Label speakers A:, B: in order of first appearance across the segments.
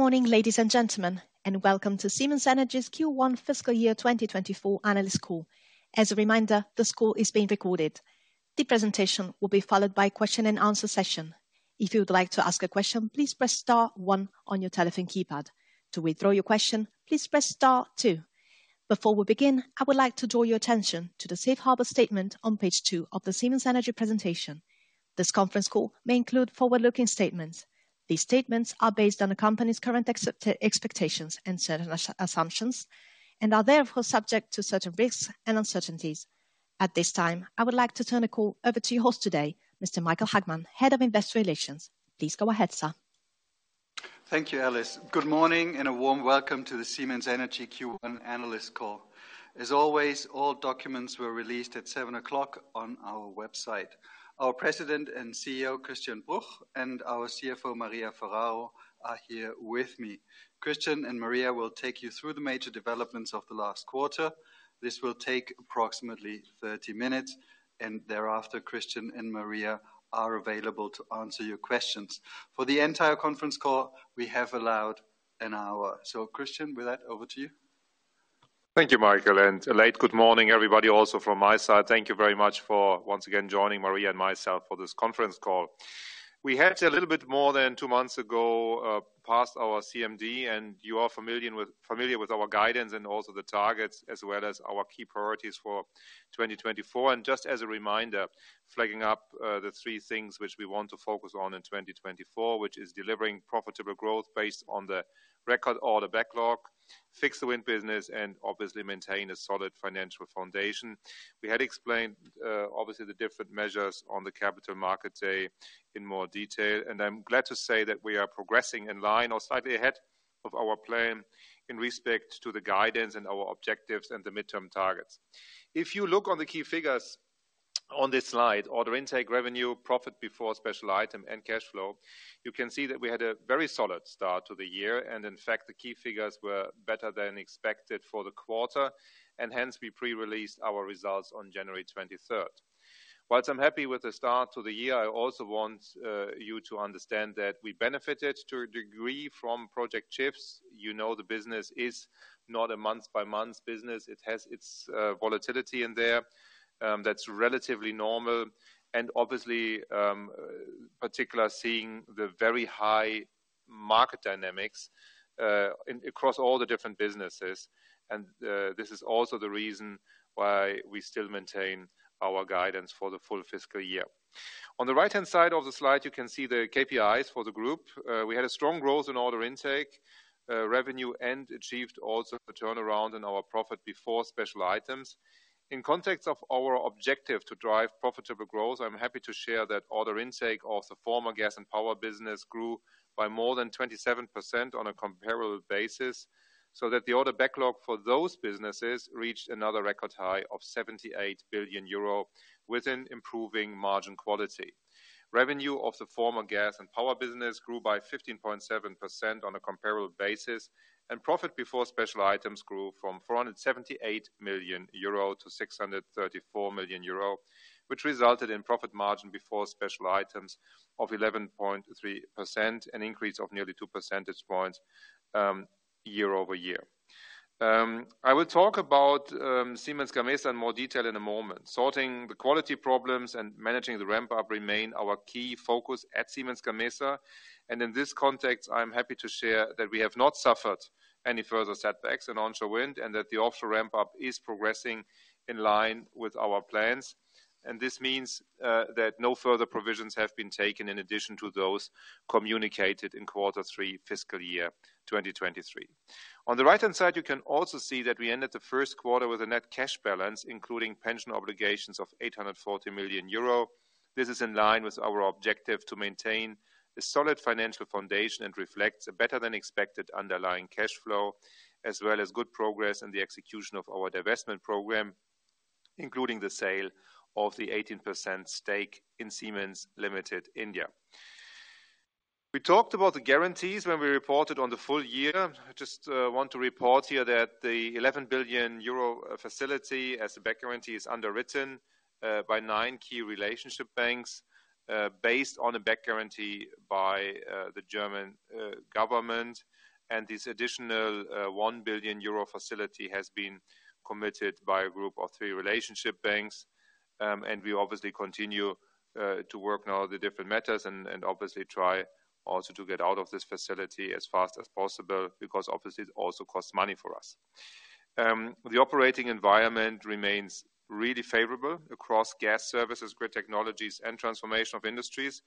A: Good morning, ladies and gentlemen, and welcome to Siemens Energy's Q1 Fiscal Year 2024 Analyst Call. As a reminder, this call is being recorded. The presentation will be followed by a question-and-answer session. If you would like to ask a question, please press star one on your telephone keypad. To withdraw your question, please press star two. Before we begin, I would like to draw your attention to the safe harbor statement on page two of the Siemens Energy presentation. This conference call may include forward-looking statements. These statements are based on the company's current expectations and certain assumptions, and are therefore subject to certain risks and uncertainties. At this time, I would like to turn the call over to your host today, Mr. Michael Hagmann, Head of Investor Relations. Please go ahead, sir.
B: Thank you, Alice. Good morning, and a warm welcome to the Siemens Energy Q1 Analyst Call. As always, all documents were released at 7:00 A.M. on our website. Our President and CEO, Christian Bruch, and our CFO, Maria Ferraro, are here with me. Christian and Maria will take you through the major developments of the last quarter. This will take approximately 30 minutes, and thereafter, Christian and Maria are available to answer your questions. For the entire conference call, we have allowed an hour. So Christian, with that, over to you.
C: Thank you, Michael, and a late good morning, everybody, also from my side. Thank you very much for once again joining Maria and myself for this conference call. We had a little bit more than two months ago passed our CMD, and you are familiar with, familiar with our guidance and also the targets, as well as our key priorities for 2024. And just as a reminder, flagging up the three things which we want to focus on in 2024, which is delivering profitable growth based on the record order backlog, fix the wind business, and obviously maintain a solid financial foundation. We had explained, obviously, the different measures on the capital markets, say, in more detail, and I'm glad to say that we are progressing in line or slightly ahead of our plan in respect to the guidance and our objectives and the midterm targets. If you look on the key figures on this slide, order intake, revenue, profit before special item and cash flow, you can see that we had a very solid start to the year, and in fact, the key figures were better than expected for the quarter, and hence we pre-released our results on January 23rd. While I'm happy with the start to the year, I also want you to understand that we benefited to a degree from project shifts. You know, the business is not a month-by-month business. It has its volatility in there, that's relatively normal, and obviously particularly seeing the very high market dynamics across all the different businesses, and this is also the reason why we still maintain our guidance for the full fiscal year. On the right-hand side of the slide, you can see the KPIs for the group. We had a strong growth in order intake, revenue, and achieved also a turnaround in our profit before special items. In context of our objective to drive profitable growth, I'm happy to share that order intake of the former Gas and Power business grew by more than 27% on a comparable basis, so that the order backlog for those businesses reached another record high of 78 billion euro with improving margin quality. Revenue of the former Gas and Power business grew by 15.7% on a comparable basis, and profit before special items grew from 478 million euro - 634 million euro, which resulted in profit margin before special items of 11.3%, an increase of nearly two percentage points year-over-year. I will talk about Siemens Gamesa in more detail in a moment. Sorting the quality problems and managing the ramp-up remain our key focus at Siemens Gamesa, and in this context, I'm happy to share that we have not suffered any further setbacks in onshore wind, and that the offshore ramp-up is progressing in line with our plans. This means that no further provisions have been taken in addition to those communicated in quarter three, fiscal year 2023. On the right-hand side, you can also see that we ended the first quarter with a net cash balance, including pension obligations of 840 million euro. This is in line with our objective to maintain a solid financial foundation and reflects a better-than-expected underlying cash flow, as well as good progress in the execution of our divestment program, including the sale of the 18% stake in Siemens Limited India. We talked about the guarantees when we reported on the full year. I just want to report here that the 11 billion euro facility as a back guarantee is underwritten by nine key relationship banks based on a back guarantee by the German government. This additional 1 billion euro facility has been committed by a group of three relationship banks. And we obviously continue to work on all the different matters and obviously try also to get out of this facility as fast as possible, because obviously, it also costs money for us. The operating environment remains really favorable across Gas Services, Grid Technologies, and transformation of industries.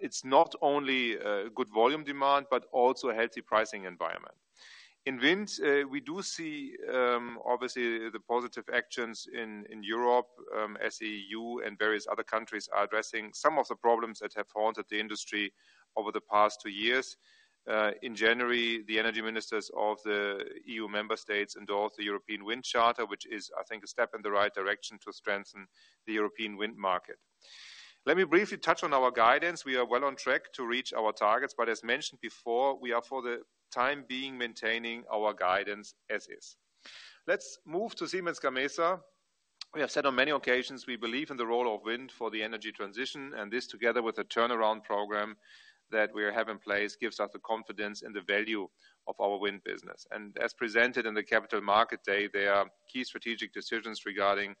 C: It's not only good volume demand, but also a healthy pricing environment. In wind, we do see obviously the positive actions in Europe as EU and various other countries are addressing some of the problems that have haunted the industry over the past two years. In January, the energy ministers of the EU member states endorsed the European Wind Charter, which is, I think, a step in the right direction to strengthen the European wind market. Let me briefly touch on our guidance. We are well on track to reach our targets, but as mentioned before, we are, for the time being, maintaining our guidance as is. Let's move to Siemens Gamesa. We have said on many occasions, we believe in the role of wind for the energy transition, and this, together with a turnaround program that we have in place, gives us the confidence in the value of our wind business. And as presented in the Capital Market Day, there are key strategic decisions regarding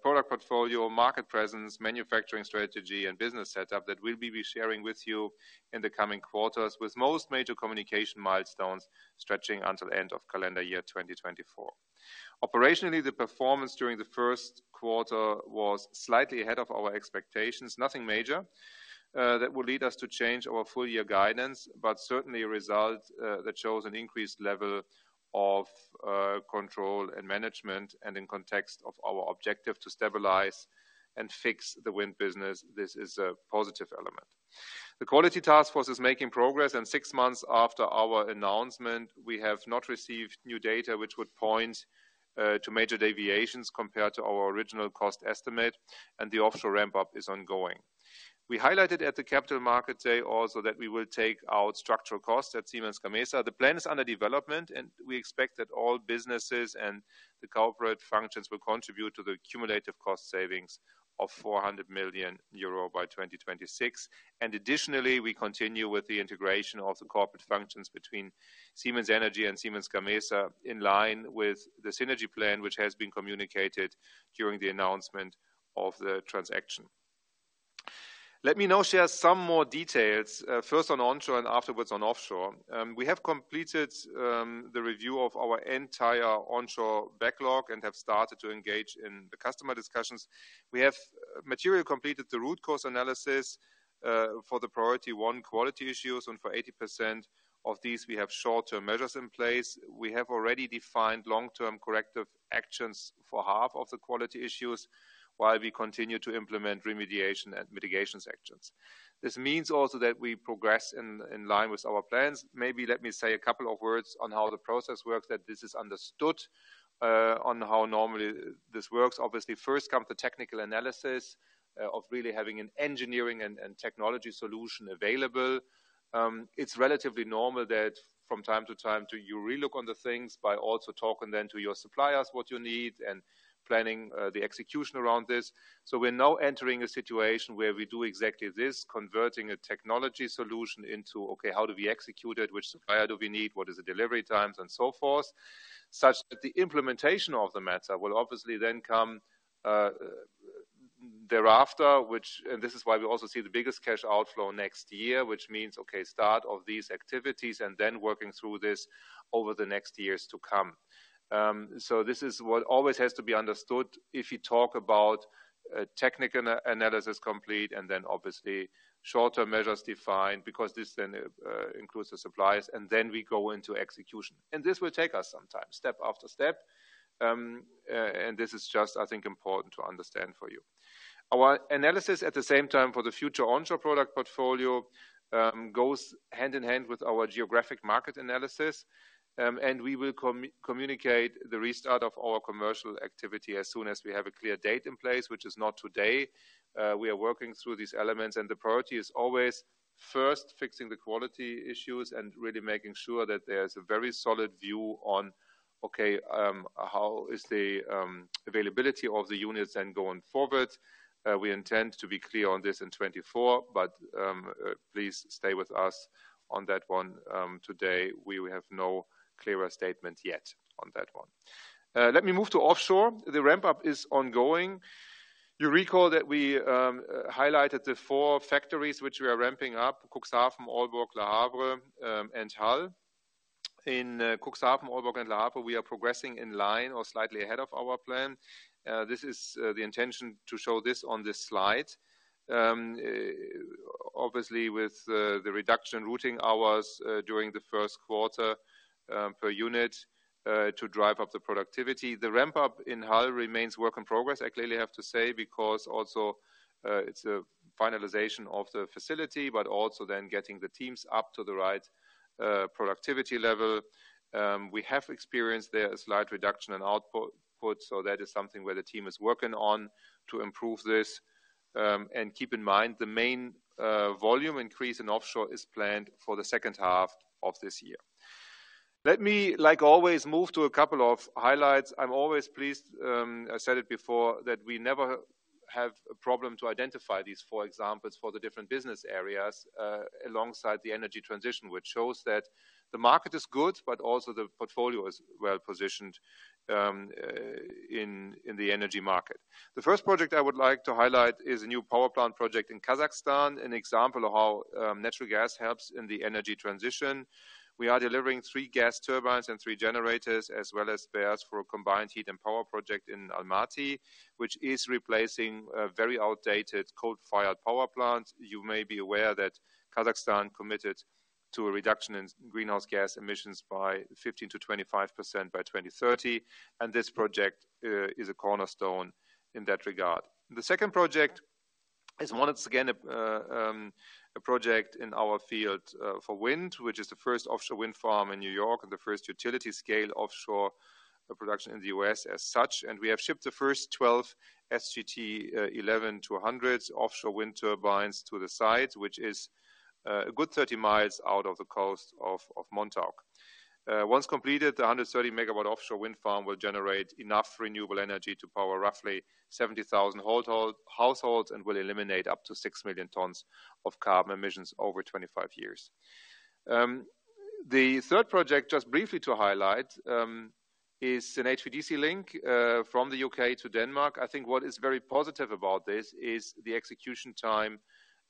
C: product portfolio, market presence, manufacturing strategy, and business setup that we'll be sharing with you in the coming quarters, with most major communication milestones stretching until the end of calendar year 2024. Operationally, the performance during the first quarter was slightly ahead of our expectations. Nothing major that will lead us to change our full year guidance, but certainly a result that shows an increased level of control and management, and in context of our objective to stabilize and fix the wind business, this is a positive element. The quality task force is making progress, and six months after our announcement, we have not received new data which would point to major deviations compared to our original cost estimate, and the offshore ramp-up is ongoing. We highlighted at the Capital Market Day also that we will take out structural costs at Siemens Gamesa. The plan is under development, and we expect that all businesses and the corporate functions will contribute to the cumulative cost savings of 400 million euro by 2026. Additionally, we continue with the integration of the corporate functions between Siemens Energy and Siemens Gamesa, in line with the synergy plan, which has been communicated during the announcement of the transaction. Let me now share some more details, first on onshore and afterwards on offshore. We have completed the review of our entire onshore backlog and have started to engage in the customer discussions. We have materially completed the root cause analysis for the priority one quality issues, and for 80% of these, we have short-term measures in place. We have already defined long-term corrective actions for half of the quality issues, while we continue to implement remediation and mitigation actions. This means also that we progress in line with our plans. Maybe let me say a couple of words on how the process works, that this is understood, on how normally this works. Obviously, first come the technical analysis, of really having an engineering and, and technology solution available. It's relatively normal that from time to time, to you relook on the things by also talking then to your suppliers, what you need, and planning, the execution around this. So we're now entering a situation where we do exactly this, converting a technology solution into: okay, how do we execute it? Which supplier do we need? What is the delivery times? And so forth. Such that the implementation of the matter will obviously then come thereafter, which and this is why we also see the biggest cash outflow next year, which means, okay, start of these activities and then working through this over the next years to come. So this is what always has to be understood if you talk about technical analysis complete, and then obviously shorter measures defined, because this then includes the suppliers, and then we go into execution. And this will take us some time, step after step. And this is just, I think, important to understand for you. Our analysis, at the same time, for the future onshore product portfolio, goes hand in hand with our geographic market analysis. And we will communicate the restart of our commercial activity as soon as we have a clear date in place, which is not today. We are working through these elements, and the priority is always first, fixing the quality issues and really making sure that there is a very solid view on, okay, how is the availability of the units then going forward? We intend to be clear on this in 2024, but please stay with us on that one. Today, we have no clearer statement yet on that one. Let me move to offshore. The ramp-up is ongoing. You recall that we highlighted the four factories, which we are ramping up, Cuxhaven, Aalborg, Le Havre, and Hull. In Cuxhaven, Aalborg, and Le Havre, we are progressing in line or slightly ahead of our plan. This is the intention to show this on this slide. Obviously, with the reduction routing hours during the first quarter per unit to drive up the productivity. The ramp-up in Hull remains work in progress, I clearly have to say, because also it's a finalization of the facility, but also then getting the teams up to the right productivity level. We have experienced there a slight reduction in output, so that is something where the team is working on to improve this. And keep in mind, the main volume increase in offshore is planned for the second half of this year. Let me, like always, move to a couple of highlights. I'm always pleased, I said it before, that we never have a problem to identify these four examples for the different business areas, alongside the energy transition, which shows that the market is good, but also the portfolio is well-positioned, in the energy market. The first project I would like to highlight is a new power plant project in Kazakhstan, an example of how natural gas helps in the energy transition. We are delivering three gas turbines and three generators, as well as spares for a combined heat and power project in Almaty, which is replacing a very outdated coal-fired power plant. You may be aware that Kazakhstan committed to a reduction in greenhouse gas emissions by 15%-25% by 2030, and this project is a cornerstone in that regard. The second project is once again a project in our field for wind, which is the first offshore wind farm in New York and the first utility-scale offshore production in the U.S. as such. And we have shipped the first 12 SG 11.0-200 offshore wind turbines to the site, which is a good 30 mi out of the coast of Montauk. Once completed, the 130 MW offshore wind farm will generate enough renewable energy to power roughly 70,000 households and will eliminate up to 6 million tons of carbon emissions over 25 years. The third project, just briefly to highlight, is an HVDC link from the U.K. to Denmark. I think what is very positive about this is the execution time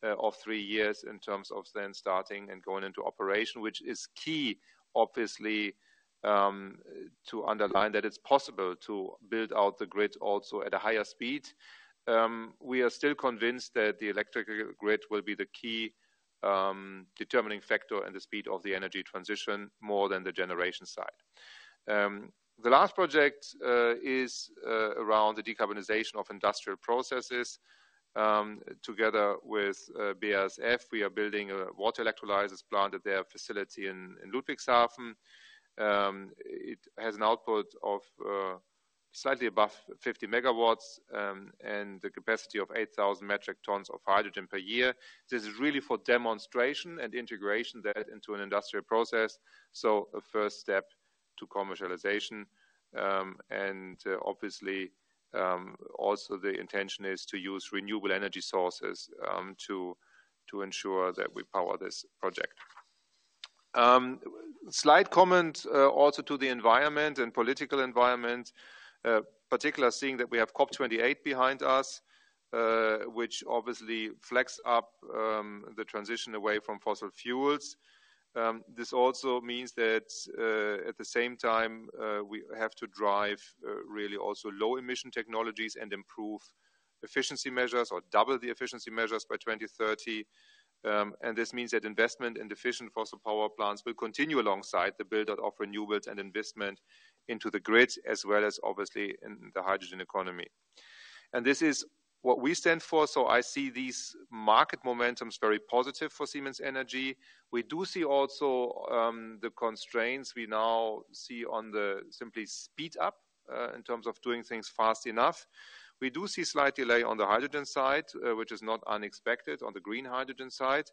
C: of three years in terms of then starting and going into operation, which is key, obviously, to underline that it's possible to build out the grid also at a higher speed. We are still convinced that the electrical grid will be the key determining factor and the speed of the energy transition more than the generation side. The last project is around the decarbonization of industrial processes. Together with BASF, we are building a water electrolyzers plant at their facility in Ludwigshafen. It has an output of slightly above 50 MW and the capacity of 8,000 metric tons of hydrogen per year. This is really for demonstration and integration that into an industrial process, so a first step to commercialization. Obviously, also the intention is to use renewable energy sources to ensure that we power this project. Slight comment also to the environment and political environment, particularly seeing that we have COP28 behind us, which obviously flex up the transition away from fossil fuels. This also means that at the same time we have to drive really also low-emission technologies and improve efficiency measures or double the efficiency measures by 2030. And this means that investment in efficient fossil power plants will continue alongside the build-out of renewables and investment into the grid, as well as obviously in the hydrogen economy. And this is what we stand for. So I see these market momentums very positive for Siemens Energy. We do see also the constraints. We now see on the simply speed up in terms of doing things fast enough. We do see slight delay on the hydrogen side, which is not unexpected, on the green hydrogen side,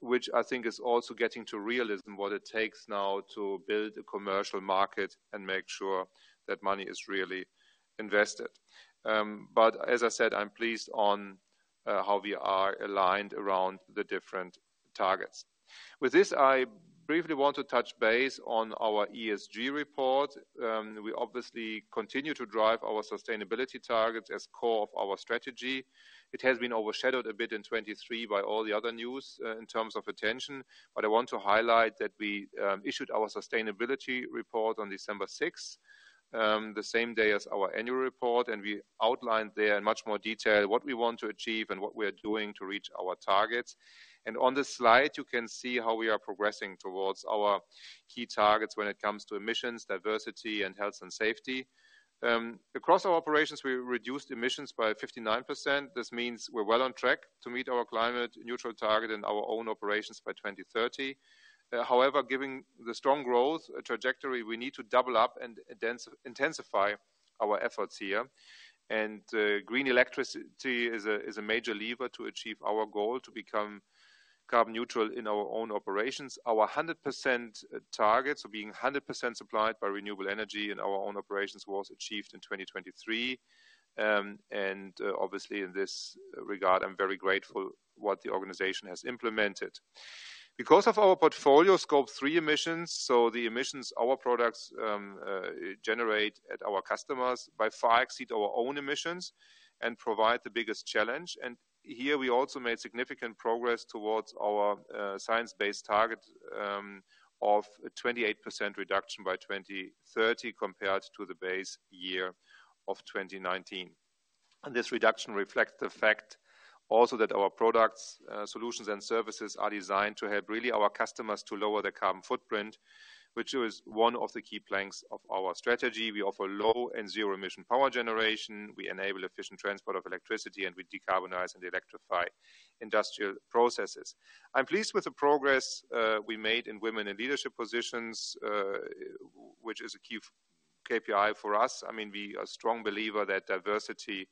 C: which I think is also getting to realism, what it takes now to build a commercial market and make sure that money is really invested. But as I said, I'm pleased on how we are aligned around the different targets. With this, I briefly want to touch base on our ESG report. We obviously continue to drive our sustainability targets as core of our strategy. It has been overshadowed a bit in 2023 by all the other news in terms of attention. I want to highlight that we issued our sustainability report on December 6th, the same day as our annual report, and we outlined there in much more detail what we want to achieve and what we are doing to reach our targets. On this slide, you can see how we are progressing towards our key targets when it comes to emissions, diversity, and health and safety. Across our operations, we reduced emissions by 59%. This means we're well on track to meet our climate neutral target in our own operations by 2030. However, given the strong growth trajectory, we need to double up and intensify our efforts here. Green electricity is a major lever to achieve our goal to become carbon neutral in our own operations. Our 100% targets are being 100% supplied by renewable energy in our own operations, was achieved in 2023. And, obviously in this regard, I'm very grateful what the organization has implemented. Because of our portfolio Scope three emissions, so the emissions our products, generate at our customers by far exceed our own emissions and provide the biggest challenge. And here we also made significant progress towards our, science-based target, of a 28% reduction by 2030 compared to the base year of 2019. And this reduction reflects the fact also that our products, solutions, and services are designed to help really our customers to lower their carbon footprint, which is one of the key planks of our strategy. We offer low and zero-emission power generation, we enable efficient transport of electricity, and we decarbonize and electrify industrial processes. I'm pleased with the progress we made in women in leadership positions, which is a key KPI for us. I mean, we are a strong believer that diversity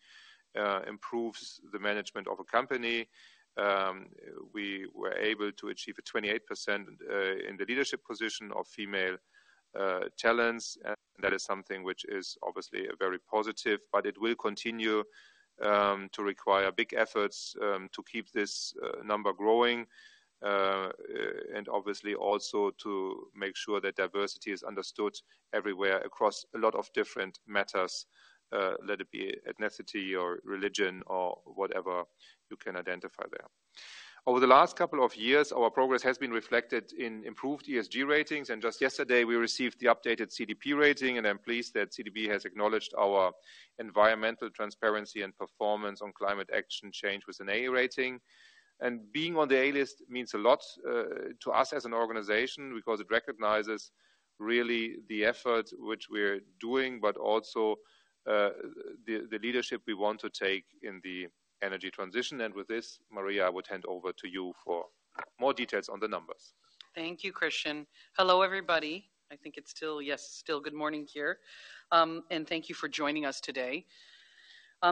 C: improves the management of a company. We were able to achieve a 28% in the leadership position of female talents. And that is something which is obviously very positive, but it will continue to require big efforts to keep this number growing. And obviously also to make sure that diversity is understood everywhere across a lot of different matters, let it be ethnicity or religion or whatever you can identify there. Over the last couple of years, our progress has been reflected in improved ESG ratings, and just yesterday, we received the updated CDP rating, and I'm pleased that CDP has acknowledged our environmental transparency and performance on climate action with an A rating. And being on the A list means a lot to us as an organization because it recognizes really the effort which we're doing, but also, the leadership we want to take in the energy transition. And with this, Maria, I would hand over to you for more details on the numbers.
D: Thank you, Christian. Hello, everybody. I think it's still... Yes, still good morning here. And thank you for joining us today.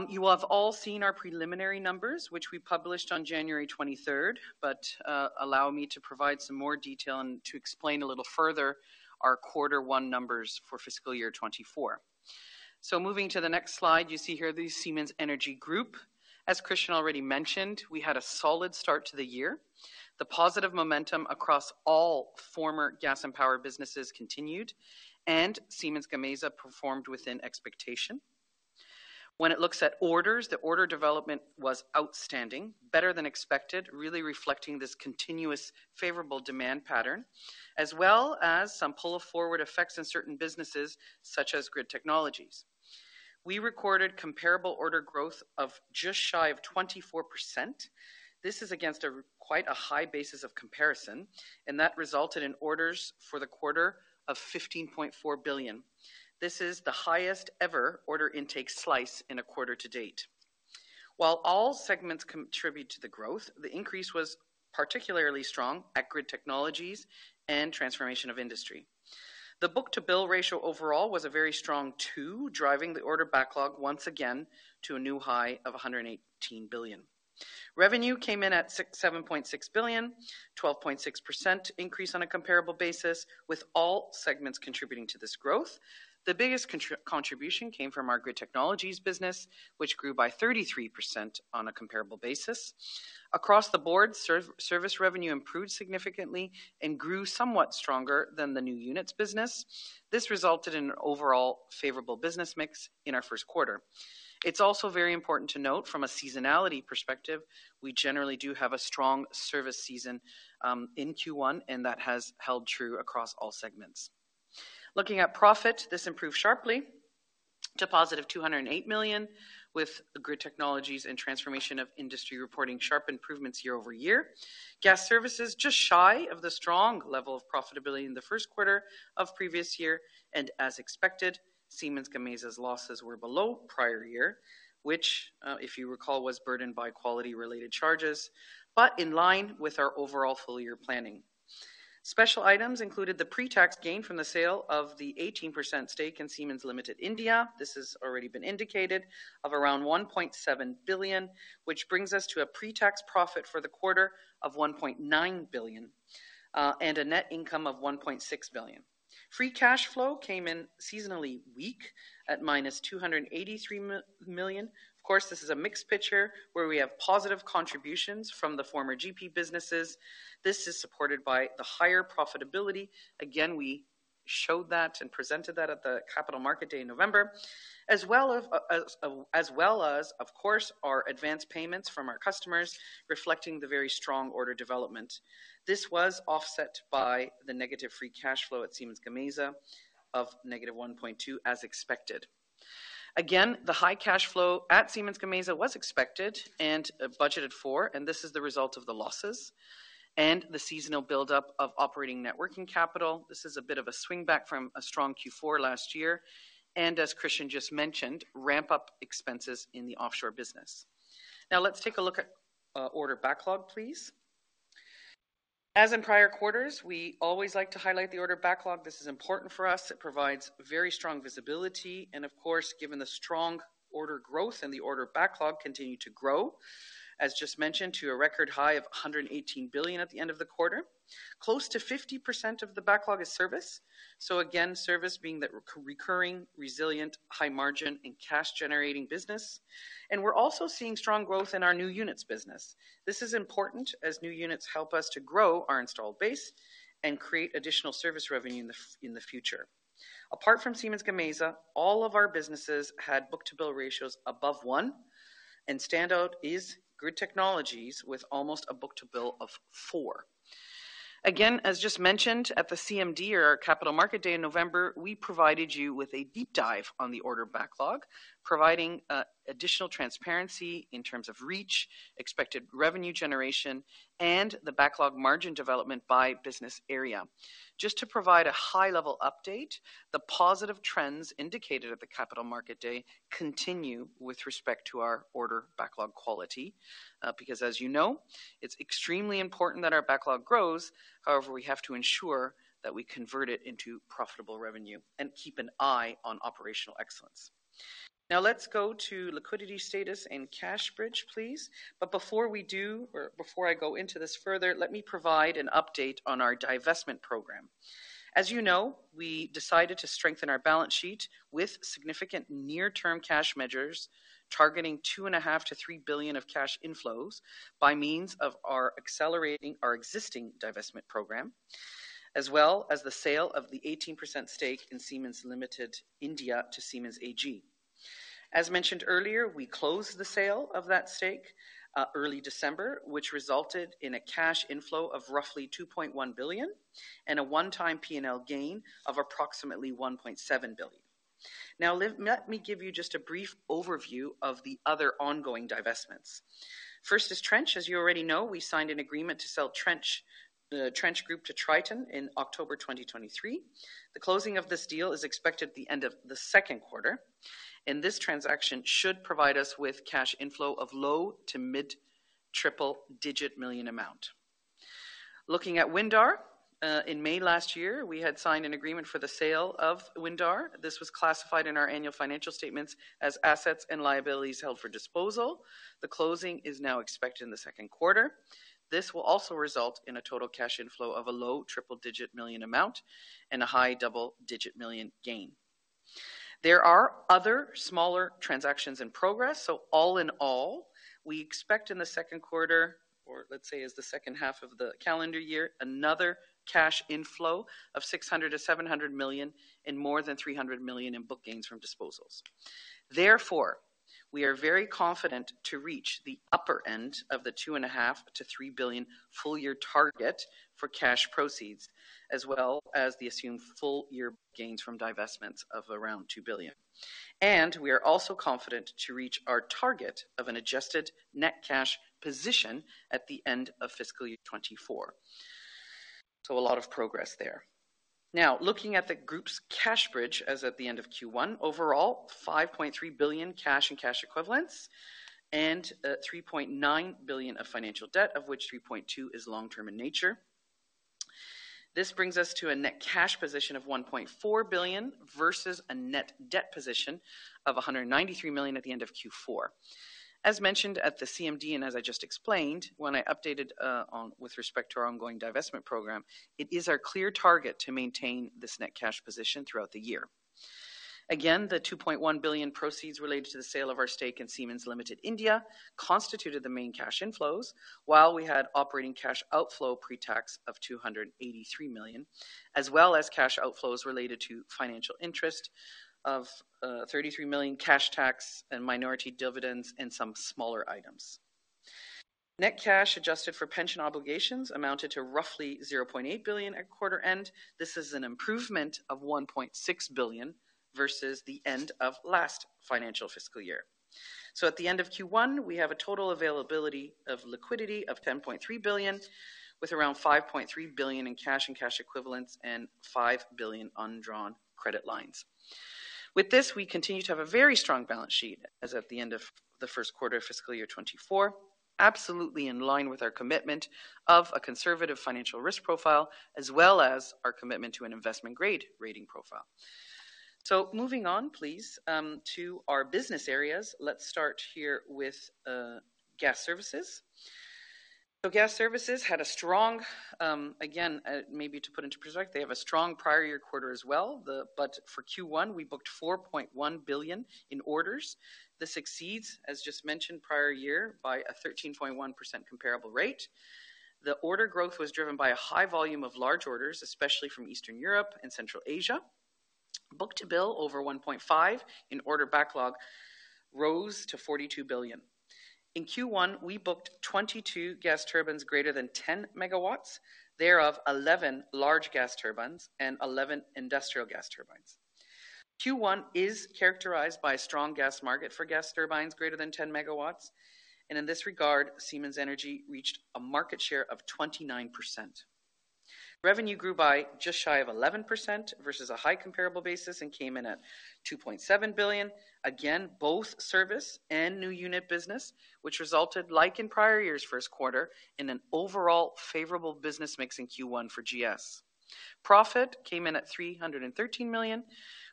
D: You have all seen our preliminary numbers, which we published on January 23rd, but allow me to provide some more detail and to explain a little further our quarter one numbers for fiscal year 2024. So moving to the next slide, you see here the Siemens Energy Group. As Christian already mentioned, we had a solid start to the year. The positive momentum across all former Gas and Power businesses continued, and Siemens Gamesa performed within expectation. When it looks at orders, the order development was outstanding, better than expected, really reflecting this continuous favorable demand pattern, as well as some pull-forward effects in certain businesses, such as Grid Technologies. We recorded comparable order growth of just shy of 24%. This is against a quite high basis of comparison, and that resulted in orders for the quarter of 15.4 billion. This is the highest ever order intake since in a quarter-to-date. While all segments contribute to the growth, the increase was particularly strong at Grid Technologies and Transformation of Industry. The book-to-bill ratio overall was a very strong two, driving the order backlog once again to a new high of 118 billion. Revenue came in at 7.6 billion, 12.6% increase on a comparable basis, with all segments contributing to this growth. The biggest contribution came from our Grid Technologies business, which grew by 33% on a comparable basis. Across the board, service revenue improved significantly and grew somewhat stronger than the new units business. This resulted in an overall favorable business mix in our first quarter. It's also very important to note from a seasonality perspective, we generally do have a strong service season in Q1, and that has held true across all segments. Looking at profit, this improved sharply to positive 208 million, with Grid Technologies and Transformation of Industry reporting sharp improvements year-over-year. Gas Services, just shy of the strong level of profitability in the first quarter of previous year, and as expected, Siemens Gamesa's losses were below prior year, which, if you recall, was burdened by quality-related charges, but in line with our overall full-year planning. Special items included the pre-tax gain from the sale of the 18% stake in Siemens Limited India. This has already been indicated of around 1.7 billion, which brings us to a pre-tax profit for the quarter of 1.9 billion, and a net income of 1.6 billion. Free cash flow came in seasonally weak at -283 million. Of course, this is a mixed picture where we have positive contributions from the former GP businesses. This is supported by the higher profitability. Again, we showed that and presented that at the Capital Market Day in November, as well as, of course, our advanced payments from our customers, reflecting the very strong order development. This was offset by the negative free cash flow at Siemens Gamesa of -1.2 billion, as expected. Again, the high cash flow at Siemens Gamesa was expected and budgeted for, and this is the result of the losses and the seasonal buildup of operating networking capital. This is a bit of a swing back from a strong Q4 last year, and as Christian just mentioned, ramp-up expenses in the offshore business. Now, let's take a look at order backlog, please. As in prior quarters, we always like to highlight the order backlog. This is important for us. It provides very strong visibility, and of course, given the strong order growth and the order backlog continue to grow, as just mentioned, to a record high of 118 billion at the end of the quarter. Close to 50% of the backlog is service. So again, service being that recurring, resilient, high margin, and cash-generating business. We're also seeing strong growth in our new units business. This is important as new units help us to grow our installed base and create additional service revenue in the future. Apart from Siemens Gamesa, all of our businesses had book-to-bill ratios above one, and standout is Grid Technologies, with almost a book-to-bill of four. Again, as just mentioned at the CMD or Capital Market Day in November, we provided you with a deep dive on the order backlog, providing additional transparency in terms of reach, expected revenue generation, and the backlog margin development by business area. Just to provide a high-level update, the positive trends indicated at the Capital Market Day continue with respect to our order backlog quality, because as you know, it's extremely important that our backlog grows. However, we have to ensure that we convert it into profitable revenue and keep an eye on operational excellence. Now, let's go to liquidity status and cash bridge, please. But before we do or before I go into this further, let me provide an update on our divestment program. As you know, we decided to strengthen our balance sheet with significant near-term cash measures, targeting 2.5 billion-3 billion of cash inflows by means of our accelerating our existing divestment program, as well as the sale of the 18% stake in Siemens Limited India to Siemens AG. As mentioned earlier, we closed the sale of that stake early December, which resulted in a cash inflow of roughly 2.1 billion and a one-time P&L gain of approximately 1.7 billion. Now, let me give you just a brief overview of the other ongoing divestments. First is Trench. As you already know, we signed an agreement to sell Trench Group to Triton in October 2023. The closing of this deal is expected at the end of the second quarter, and this transaction should provide us with cash inflow of low- to mid-triple-digit million EUR amount. Looking at Windar, in May last year, we had signed an agreement for the sale of Windar. This was classified in our annual financial statements as assets and liabilities held for disposal. The closing is now expected in the second quarter. This will also result in a total cash inflow of a low-triple-digit million amount and a high double-digit million gain. There are other smaller transactions in progress, so all in all, we expect in the second quarter, or let's say as the second half of the calendar year, another cash inflow of 600 million-700 million and more than 300 million in book gains from disposals. Therefore, we are very confident to reach the upper end of the 2.5 billion-3 billion full year target for cash proceeds, as well as the assumed full year gains from divestments of around 2 billion. And we are also confident to reach our target of an adjusted net cash position at the end of fiscal year 2024. So a lot of progress there. Now, looking at the group's cash bridge as at the end of Q1, overall, 5.3 billion cash and cash equivalents, and 3.9 billion of financial debt, of which 3.2 is long-term in nature. This brings us to a net cash position of 1.4 billion versus a net debt position of 193 million at the end of Q4. As mentioned at the CMD, and as I just explained, when I updated on with respect to our ongoing divestment program, it is our clear target to maintain this net cash position throughout the year. Again, the 2.1 billion proceeds related to the sale of our stake in Siemens Limited India constituted the main cash inflows, while we had operating cash outflow pre-tax of 283 million, as well as cash outflows related to financial interest of 33 million cash tax and minority dividends and some smaller items. Net cash adjusted for pension obligations amounted to roughly 0.8 billion at quarter end. This is an improvement of 1.6 billion versus the end of last financial fiscal year. So at the end of Q1, we have a total availability of liquidity of 10.3 billion, with around 5.3 billion in cash and cash equivalents and 5 billion undrawn credit lines. With this, we continue to have a very strong balance sheet as at the end of the first quarter of fiscal year 2024, absolutely in line with our commitment of a conservative financial risk profile, as well as our commitment to an investment-grade rating profile. So moving on, please, to our business areas. Let's start here with Gas Services. So Gas Services had a strong, again, maybe to put into perspective, they have a strong prior year quarter as well. But for Q1, we booked 4.1 billion in orders. This exceeds, as just mentioned, prior year by a 13.1% comparable rate. The order growth was driven by a high volume of large orders, especially from Eastern Europe and Central Asia. Book-to-bill over 1.5, order backlog rose to 42 billion. In Q1, we booked 22 gas turbines greater than 10 MW, thereof, 11 large gas turbines and 11 industrial gas turbines. Q1 is characterized by a strong gas market for gas turbines greater than 10 megawatts, and in this regard, Siemens Energy reached a market share of 29%. Revenue grew by just shy of 11% versus a high comparable basis and came in at 2.7 billion. Again, both service and new unit business, which resulted, like in prior years' first quarter, in an overall favorable business mix in Q1 for GS. Profit came in at 313 million,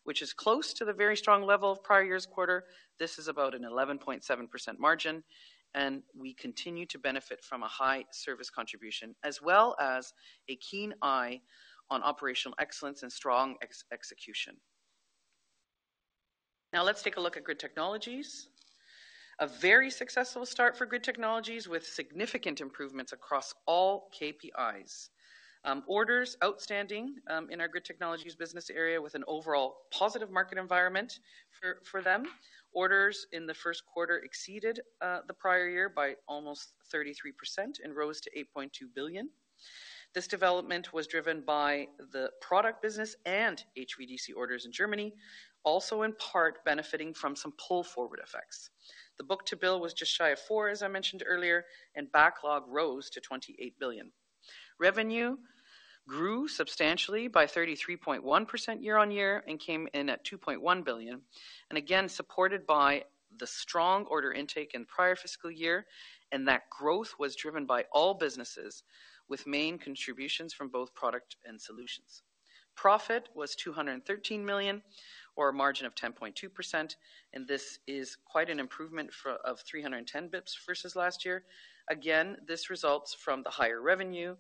D: which is close to the very strong level of prior year's quarter. This is about an 11.7% margin, and we continue to benefit from a high service contribution, as well as a keen eye on operational excellence and strong execution. Now, let's take a look at Grid Technologies. A very successful start for Grid Technologies, with significant improvements across all KPIs. Orders outstanding in our Grid Technologies business area with an overall positive market environment for them. Orders in the first quarter exceeded the prior year by almost 33% and rose to 8.2 billion. This development was driven by the product business and HVDC orders in Germany, also in part benefiting from some pull-forward effects. The book-to-bill was just shy of four, as I mentioned earlier, and backlog rose to 28 billion. Revenue grew substantially by 33.1% year-on-year and came in at 2.1 billion, and again, supported by the strong order intake in prior fiscal year, and that growth was driven by all businesses with main contributions from both product and solutions. Profit was 213 million, or a margin of 10.2%, and this is quite an improvement of 310 basis points versus last year. Again, this results from the higher revenue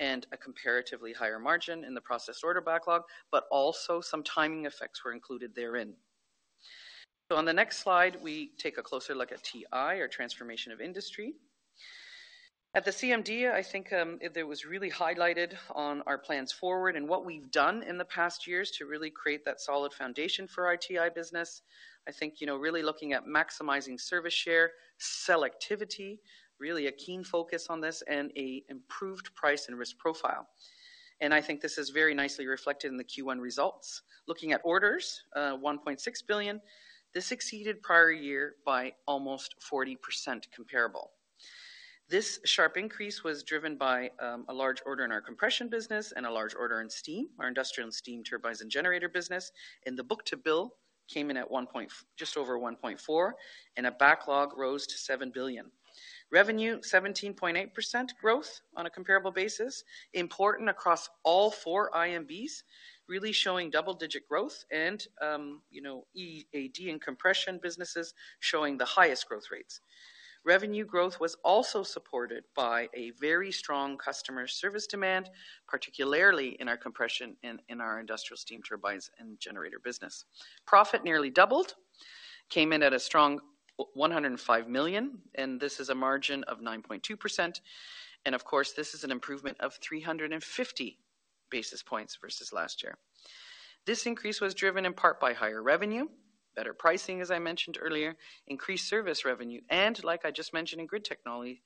D: and a comparatively higher margin in the processed order backlog, but also some timing effects were included therein. So on the next slide, we take a closer look at TI, or Transformation of Industry. At the CMD, I think, it was really highlighted on our plans forward and what we've done in the past years to really create that solid foundation for our TI business. I think, you know, really looking at maximizing service share, selectivity, really a keen focus on this, and a improved price and risk profile. And I think this is very nicely reflected in the Q1 results. Looking at orders, 1.6 billion, this exceeded prior year by almost 40% comparable. This sharp increase was driven by a large order in our compression business and a large order in steam, our industrial and steam turbines and generator business, and the book-to-bill came in at 1.4, just over 1.4, and a backlog rose to 7 billion. Revenue, 17.8% growth on a comparable basis, important across all four IMBs, really showing double-digit growth and, you know, EAD and compression businesses showing the highest growth rates. Revenue growth was also supported by a very strong customer service demand, particularly in our compression and in our industrial steam turbines and generator business. Profit nearly doubled, came in at a strong 105 million, and this is a margin of 9.2%. Of course, this is an improvement of 350 basis points versus last year. This increase was driven in part by higher revenue, better pricing, as I mentioned earlier, increased service revenue, and like I just mentioned in grid technology,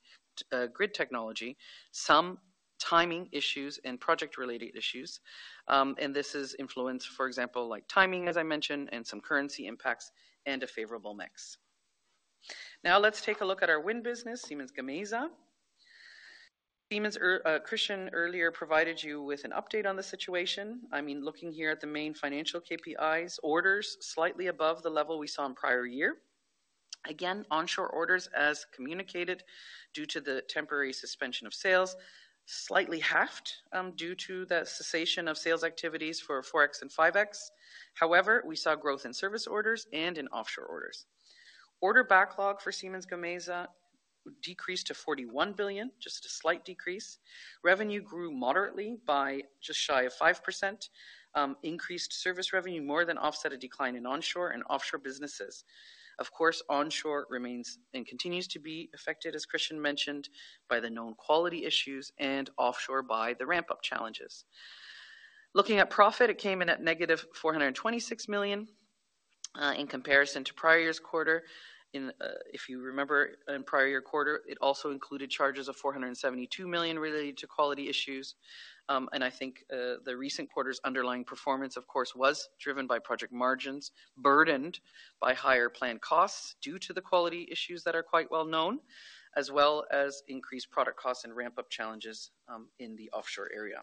D: grid technology, some timing issues and project-related issues. And this is influenced, for example, like timing, as I mentioned, and some currency impacts and a favorable mix. Now, let's take a look at our wind business, Siemens Gamesa. Christian earlier provided you with an update on the situation. I mean, looking here at the main financial KPIs, orders slightly above the level we saw in prior year. Again, onshore orders as communicated, due to the temporary suspension of sales, slightly halved, due to the cessation of sales activities for 4.X and 5.X. However, we saw growth in service orders and in offshore orders. Order backlog for Siemens Gamesa decreased to 41 billion, just a slight decrease. Revenue grew moderately by just shy of 5%. Increased service revenue more than offset a decline in onshore and offshore businesses. Of course, onshore remains and continues to be affected, as Christian mentioned, by the known quality issues and offshore by the ramp-up challenges. Looking at profit, it came in at -426 million in comparison to prior year's quarter. If you remember, in prior year quarter, it also included charges of 472 million related to quality issues. And I think the recent quarter's underlying performance, of course, was driven by project margins, burdened by higher planned costs due to the quality issues that are quite well known, as well as increased product costs and ramp-up challenges in the offshore area.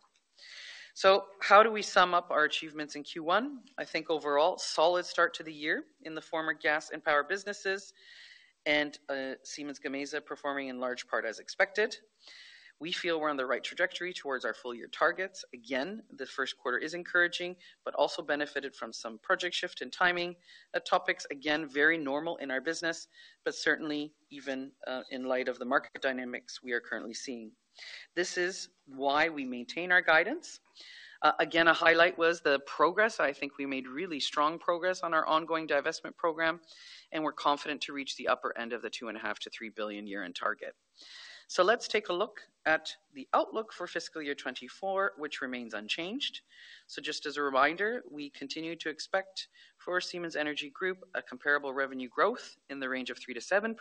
D: So how do we sum up our achievements in Q1? I think overall, solid start to the year in the former Gas and Power businesses, and Siemens Gamesa performing in large part as expected. We feel we're on the right trajectory towards our full-year targets. Again, the first quarter is encouraging, but also benefited from some project shift and timing. Topics, again, very normal in our business, but certainly even in light of the market dynamics we are currently seeing. This is why we maintain our guidance. Again, a highlight was the progress. I think we made really strong progress on our ongoing divestment program, and we're confident to reach the upper end of the 2.5-3 billion year-end target. So let's take a look at the outlook for fiscal year 2024, which remains unchanged. So just as a reminder, we continue to expect for Siemens Energy Group, a comparable revenue growth in the range of 3%-7%,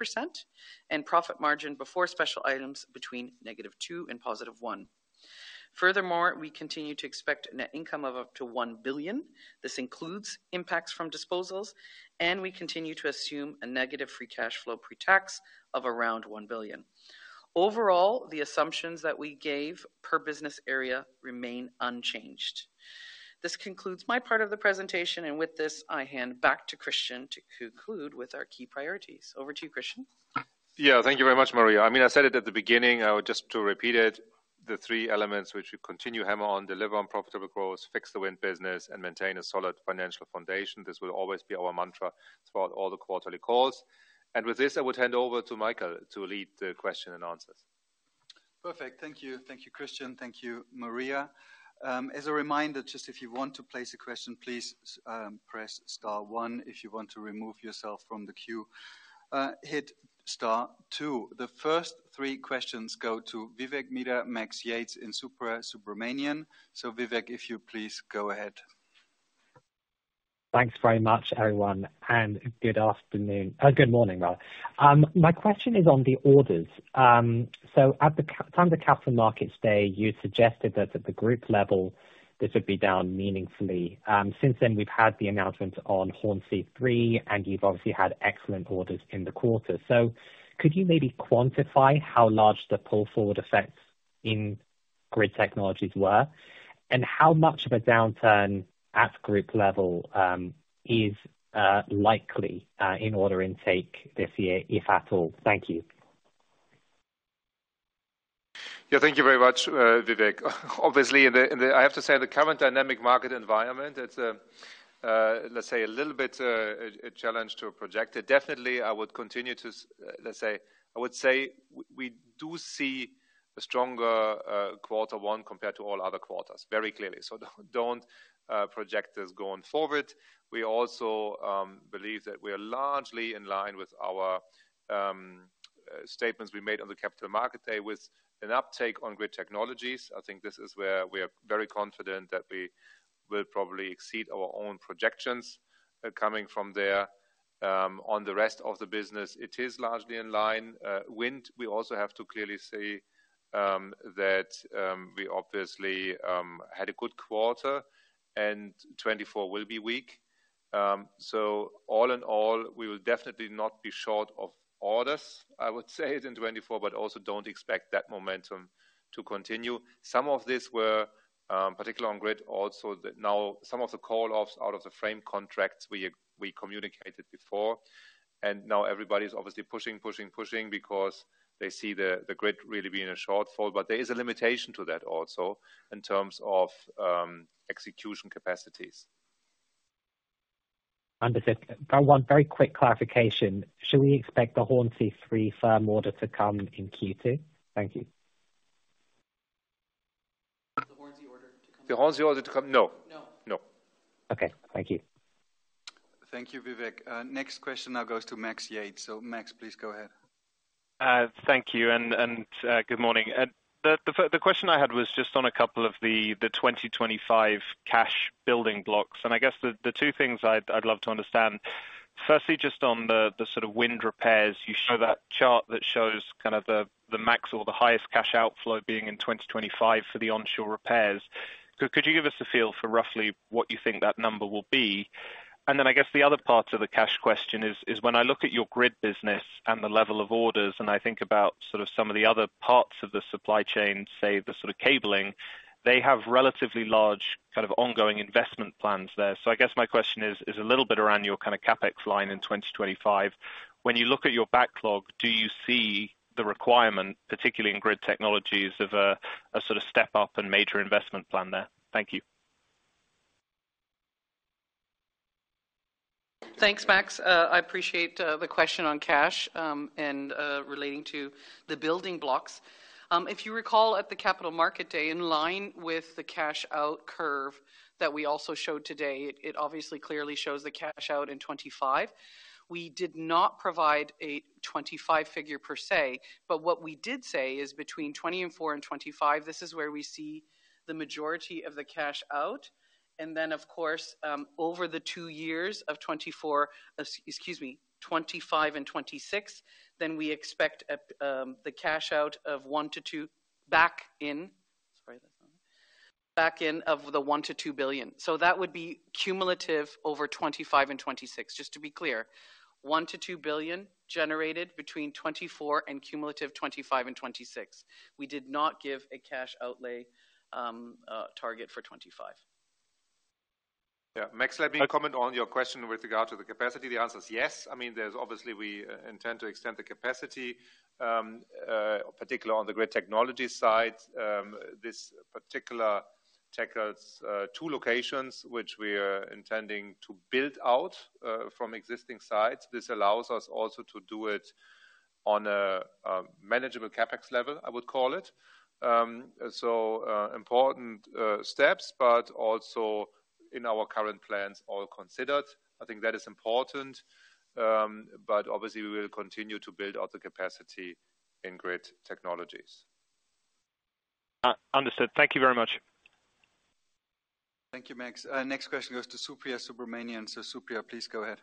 D: and profit margin before special items between -2% and +1%. Furthermore, we continue to expect net income of up to 1 billion. This includes impacts from disposals, and we continue to assume a negative free cash flow pretax of around 1 billion. Overall, the assumptions that we gave per business area remain unchanged. This concludes my part of the presentation, and with this, I hand back to Christian to conclude with our key priorities. Over to you, Christian.
C: Yeah, thank you very much, Maria. I mean, I said it at the beginning, just to repeat it, the three elements which we continue hammer on, deliver on profitable growth, fix the wind business, and maintain a solid financial foundation. This will always be our mantra throughout all the quarterly calls. And with this, I would hand over to Michael to lead the question and answers.
B: Perfect. Thank you. Thank you, Christian. Thank you, Maria. As a reminder, just if you want to place a question, please, press star one. If you want to remove yourself from the queue, hit star two. The first three questions go to Vivek Midha, Max Yates, and Supriya Subramanian. So, Vivek, if you please go ahead.
E: Thanks very much, everyone, and good afternoon, good morning rather. My question is on the orders. So at the time of the Capital Markets Day, you suggested that at the group level, this would be down meaningfully. Since then, we've had the announcement on Hornsea 3, and you've obviously had excellent orders in the quarter. So could you maybe quantify how large the pull-forward effects in Grid Technologies were? And how much of a downturn at group level is likely in order intake this year, if at all? Thank you.
C: Yeah, thank you very much, Vivek. Obviously, in the current dynamic market environment, it's, let's say, a little bit a challenge to project it. Definitely, I would continue to, let's say, I would say we do see a stronger quarter one compared to all other quarters, very clearly. So don't project this going forward. We also believe that we are largely in line with our statements we made on the Capital Market Day with an uptake on Grid Technologies. I think this is where we are very confident that we will probably exceed our own projections coming from there. On the rest of the business, it is largely in line. Wind, we also have to clearly say that we obviously had a good quarter, and 2024 will be weak. So all in all, we will definitely not be short of orders, I would say, in 2024, but also don't expect that momentum to continue. Some of these were particularly on grid, also now some of the call-offs out of the frame contracts we communicated before, and now everybody's obviously pushing, pushing, pushing because they see the grid really being a shortfall. But there is a limitation to that also, in terms of execution capacities.
E: Understood. I want very quick clarification. Should we expect the Hornsea 3 firm order to come in Q2? Thank you.
D: The Hornsea order to come?
C: The Hornsea order to come? No.
D: No.
C: No.
E: Okay. Thank you.
B: Thank you, Vivek. Next question now goes to Max Yates. Max, please go ahead.
F: Thank you, and good morning. The question I had was just on a couple of the 2025 cash building blocks. And I guess the two things I'd love to understand, firstly, just on the sort of wind repairs, you show that chart that shows kind of the max or the highest cash outflow being in 2025 for the onshore repairs. So could you give us a feel for roughly what you think that number will be? And then I guess the other part to the cash question is when I look at your grid business and the level of orders, and I think about sort of some of the other parts of the supply chain, say, the sort of cabling, they have relatively large kind of ongoing investment plans there. I guess my question is a little bit around your kind of CapEx line in 2025. When you look at your backlog, do you see the requirement, particularly in Grid Technologies, of a, a sort of step-up and major investment plan there? Thank you.
D: Thanks, Max. I appreciate the question on cash and relating to the building blocks. If you recall at the Capital Market Day, in line with the cash out curve that we also showed today, it obviously clearly shows the cash out in 2025. We did not provide a 2025 figure per se, but what we did say is between 2024 and 2025, this is where we see the majority of the cash out. And then, of course, over the two years of 2024, excuse me, 2025 and 2026, then we expect at the cash out of one to two back in, sorry, back in of the 1 billion-2 billion. So that would be cumulative over 2025 and 2026. Just to be clear, 1 billion-2 billion generated between 2024 and cumulative 2025 and 2026. We did not give a cash outlay target for 2025.
C: Yeah. Max, let me comment on your question with regard to the capacity. The answer is yes. I mean, there's obviously we intend to extend the capacity, particularly on the Grid Technologies side. This particular two locations, which we are intending to build out from existing sites. This allows us also to do it on a manageable CapEx level, I would call it. So, important steps, but also in our current plans, all considered. I think that is important, but obviously, we will continue to build out the capacity in Grid Technologies.
F: Understood. Thank you very much.
C: Thank you, Max. Next question goes to Supriya Subramanian. So Supriya, please go ahead.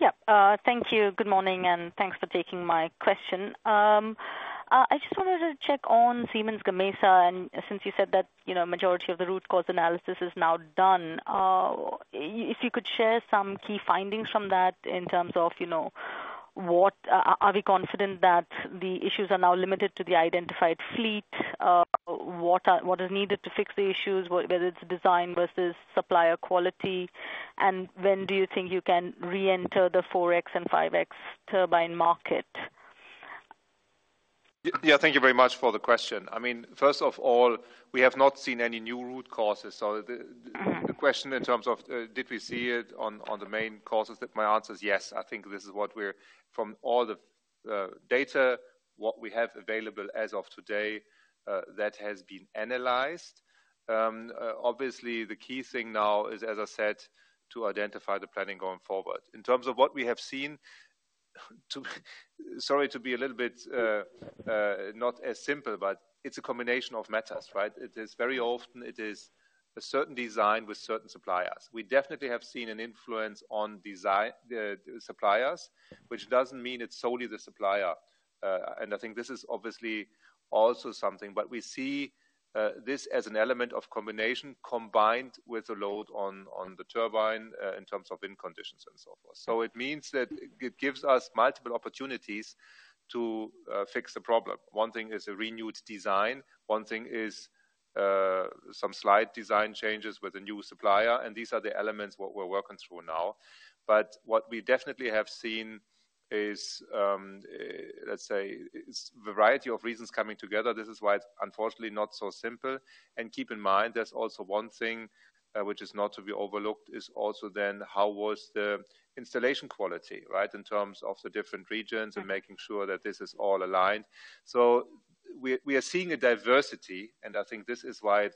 G: Yeah, thank you. Good morning, and thanks for taking my question. I just wanted to check on Siemens Gamesa, and since you said that, you know, majority of the root cause analysis is now done, if you could share some key findings from that in terms of, you know, what? Are we confident that the issues are now limited to the identified fleet? What is needed to fix the issues, whether it's design versus supplier quality, and when do you think you can reenter the 4.X and 5.X turbine market?
C: Yeah, thank you very much for the question. I mean, first of all, we have not seen any new root causes. So the, the question in terms of, did we see it on, on the main causes? That, my answer is yes. I think this is what we're... From all the, data, what we have available as of today, that has been analyzed. Obviously, the key thing now is, as I said, to identify the planning going forward. In terms of what we have seen, Sorry, to be a little bit, not as simple, but it's a combination of matters, right? It is very often, it is a certain design with certain suppliers. We definitely have seen an influence on design, suppliers, which doesn't mean it's solely the supplier. And I think this is obviously also something, but we see this as an element of combination, combined with the load on, on the turbine, in terms of wind conditions and so forth. So it means that it gives us multiple opportunities to fix the problem. One thing is a renewed design, one thing is some slight design changes with a new supplier, and these are the elements what we're working through now. But what we definitely have seen is, let's say, it's variety of reasons coming together. This is why it's unfortunately not so simple. And keep in mind, there's also one thing, which is not to be overlooked, is also then how was the installation quality, right? In terms of the different regions and making sure that this is all aligned. So we are seeing a diversity, and I think this is why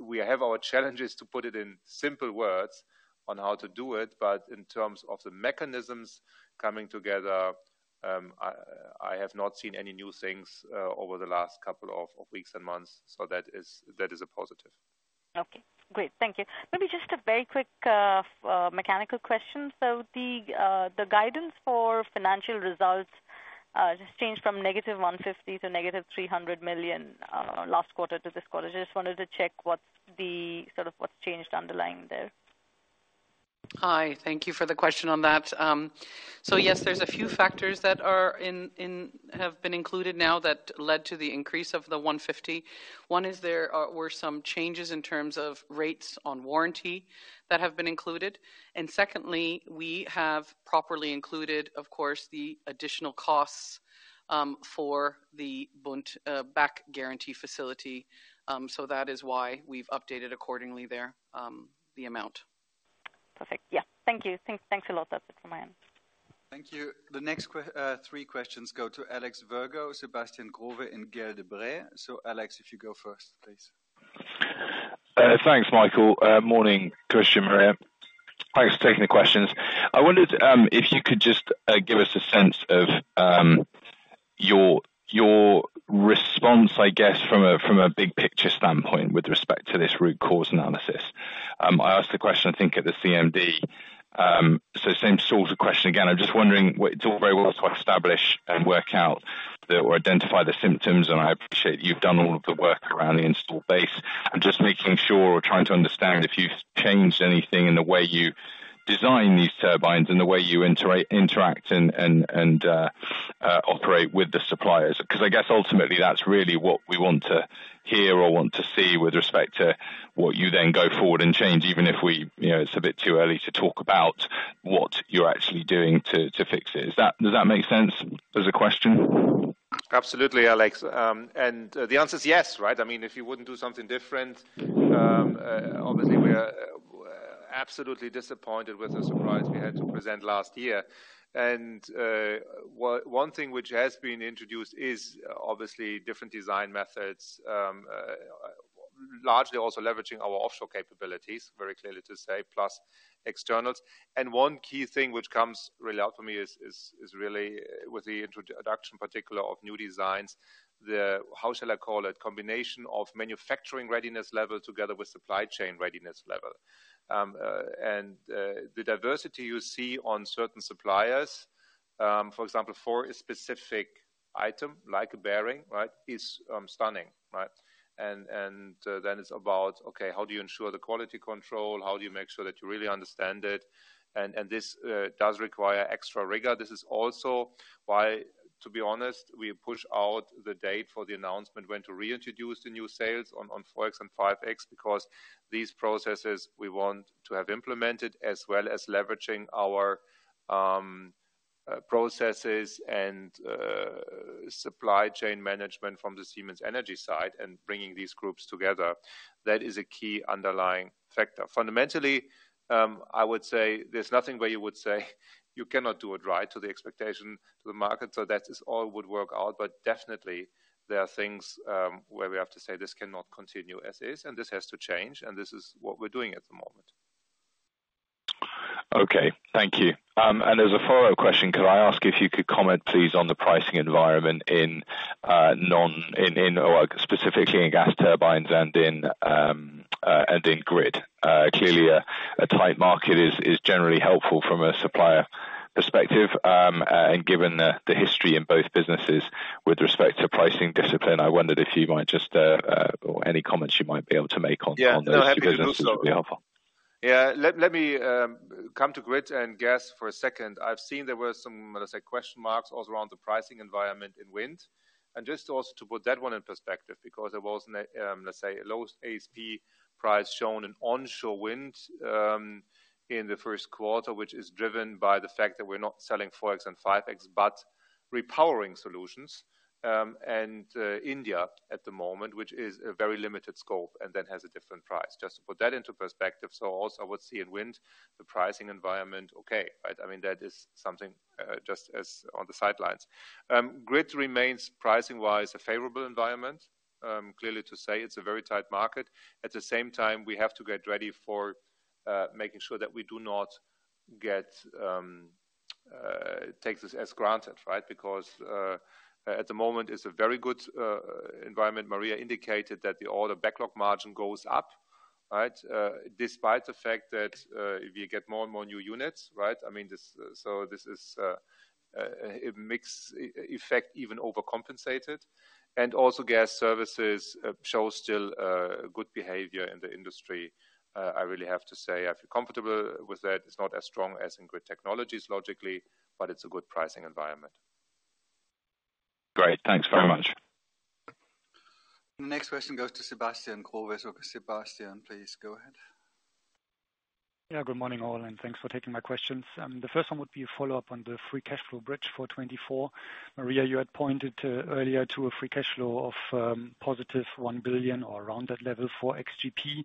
C: we have our challenges, to put it in simple words, on how to do it. But in terms of the mechanisms coming together, I have not seen any new things over the last couple of weeks and months, so that is a positive.
G: Okay, great. Thank you. Maybe just a very quick, mechanical question. So the, the guidance for financial results-... just changed from -150 million to -300 million last quarter to this quarter. Just wanted to check what the, sort of, what's changed underlying there?
D: Hi, thank you for the question on that. So yes, there's a few factors that have been included now that led to the increase of the 150. One is there were some changes in terms of rates on warranty that have been included. And secondly, we have properly included, of course, the additional costs for the Bund-backed guarantee facility. So that is why we've updated accordingly there, the amount.
G: Perfect. Yeah. Thank you. Thanks, thanks a lot. That's it from my end.
B: Thank you. The next three questions go to Alex Virgo, Sebastian Growe, and Gaël de Bray. So Alex, if you go first, please.
H: Thanks, Michael. Morning, Christian, Maria. Thanks for taking the questions. I wondered if you could just give us a sense of your response, I guess, from a big-picture standpoint with respect to this root cause analysis. I asked the question, I think, at the CMD. So same sort of question again. I'm just wondering, it's all very well to establish and work out the, or identify the symptoms, and I appreciate you've done all of the work around the install base. I'm just making sure or trying to understand if you've changed anything in the way you design these turbines and the way you interact and operate with the suppliers. 'Cause I guess ultimately, that's really what we want to hear or want to see with respect to what you then go forward and change, even if we, you know, it's a bit too early to talk about what you're actually doing to, to fix it. Is that, does that make sense as a question?
C: Absolutely, Alex. The answer is yes, right? I mean, if you wouldn't do something different, obviously, we are absolutely disappointed with the surprise we had to present last year. One thing which has been introduced is obviously different design methods, largely also leveraging our offshore capabilities, very clearly to say, plus externals. One key thing which comes really out for me is really with the introduction, particular of new designs, the, how shall I call it? Combination of manufacturing readiness level together with supply chain readiness level. The diversity you see on certain suppliers, for example, for a specific item like a bearing, right, is stunning, right? Then it's about, okay, how do you ensure the quality control? How do you make sure that you really understand it? This does require extra rigor. This is also why, to be honest, we push out the date for the announcement, when to reintroduce the new sales on 4.X and 5.X, because these processes we want to have implemented, as well as leveraging our processes and supply chain management from the Siemens Energy side and bringing these groups together. That is a key underlying factor. Fundamentally, I would say there's nothing where you would say you cannot do it right to the expectation, to the market, so that is all would work out. But definitely, there are things where we have to say, this cannot continue as is, and this is what we're doing at the moment.
H: Okay, thank you. As a follow-up question, could I ask if you could comment, please, on the pricing environment in, or specifically in gas turbines and in, and in grid? Clearly, a tight market is generally helpful from a supplier perspective. Given the history in both businesses with respect to pricing discipline, I wondered if you might just, or any comments you might be able to make on those-
C: Yeah, no, happy to do so.
H: would be helpful.
C: Yeah, let me come to grid and gas for a second. I've seen there were some, let's say, question marks also around the pricing environment in wind. And just also to put that one in perspective, because there was, let's say, a low ASP price shown in onshore wind, in the first quarter, which is driven by the fact that we're not selling 4.X and 5.X, but repowering solutions, and India at the moment, which is a very limited scope and then has a different price. Just to put that into perspective. So also, I would see in wind, the pricing environment, okay. Right? I mean, that is something, just as on the sidelines. Grid remains, pricing-wise, a favorable environment. Clearly to say, it's a very tight market. At the same time, we have to get ready for, making sure that we do not get, take this as granted, right? Because, at the moment, it's a very good, environment. Maria indicated that the order backlog margin goes up, right? Despite the fact that, we get more and more new units, right? I mean, this, so this is, a mixed effect, even overcompensated. And also gas services, show still, good behavior in the industry. I really have to say I feel comfortable with that. It's not as strong as in Grid Technologies, logically, but it's a good pricing environment.
H: Great. Thanks very much.
B: Next question goes to Sebastian Growe. Sebastian, please go ahead.
I: Yeah, good morning, all, and thanks for taking my questions. The first one would be a follow-up on the free cash flow bridge for 2024. Maria, you had pointed earlier to a free cash flow of positive 1 billion or around that level for XGP,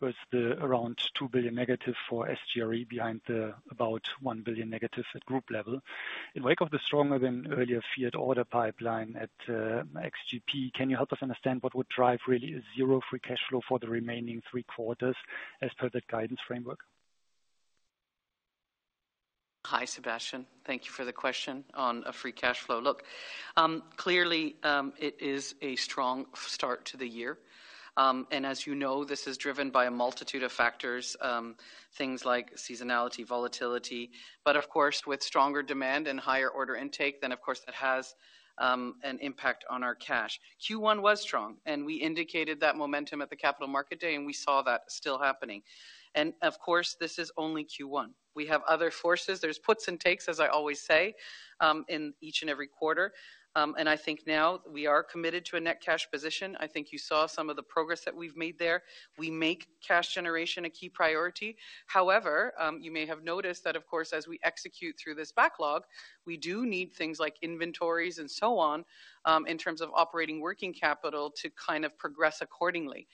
I: with the around 2 billion negative for SGRE behind the about 1 billion negative at group level. In wake of the stronger than earlier feared order pipeline at XGP, can you help us understand what would drive really a zero free cash flow for the remaining three quarters as per the guidance framework?
D: Hi, Sebastian. Thank you for the question on free cash flow. Look-... Clearly, it is a strong start to the year. And as you know, this is driven by a multitude of factors, things like seasonality, volatility. But of course, with stronger demand and higher order intake, then, of course, that has an impact on our cash. Q1 was strong, and we indicated that momentum at the Capital Market Day, and we saw that still happening. And of course, this is only Q1. We have other forces. There's puts and takes, as I always say, in each and every quarter. And I think now we are committed to a net cash position. I think you saw some of the progress that we've made there. We make cash generation a key priority. However, you may have noticed that, of course, as we execute through this backlog, we do need things like inventories and so on, in terms of operating working capital to kind of progress accordingly.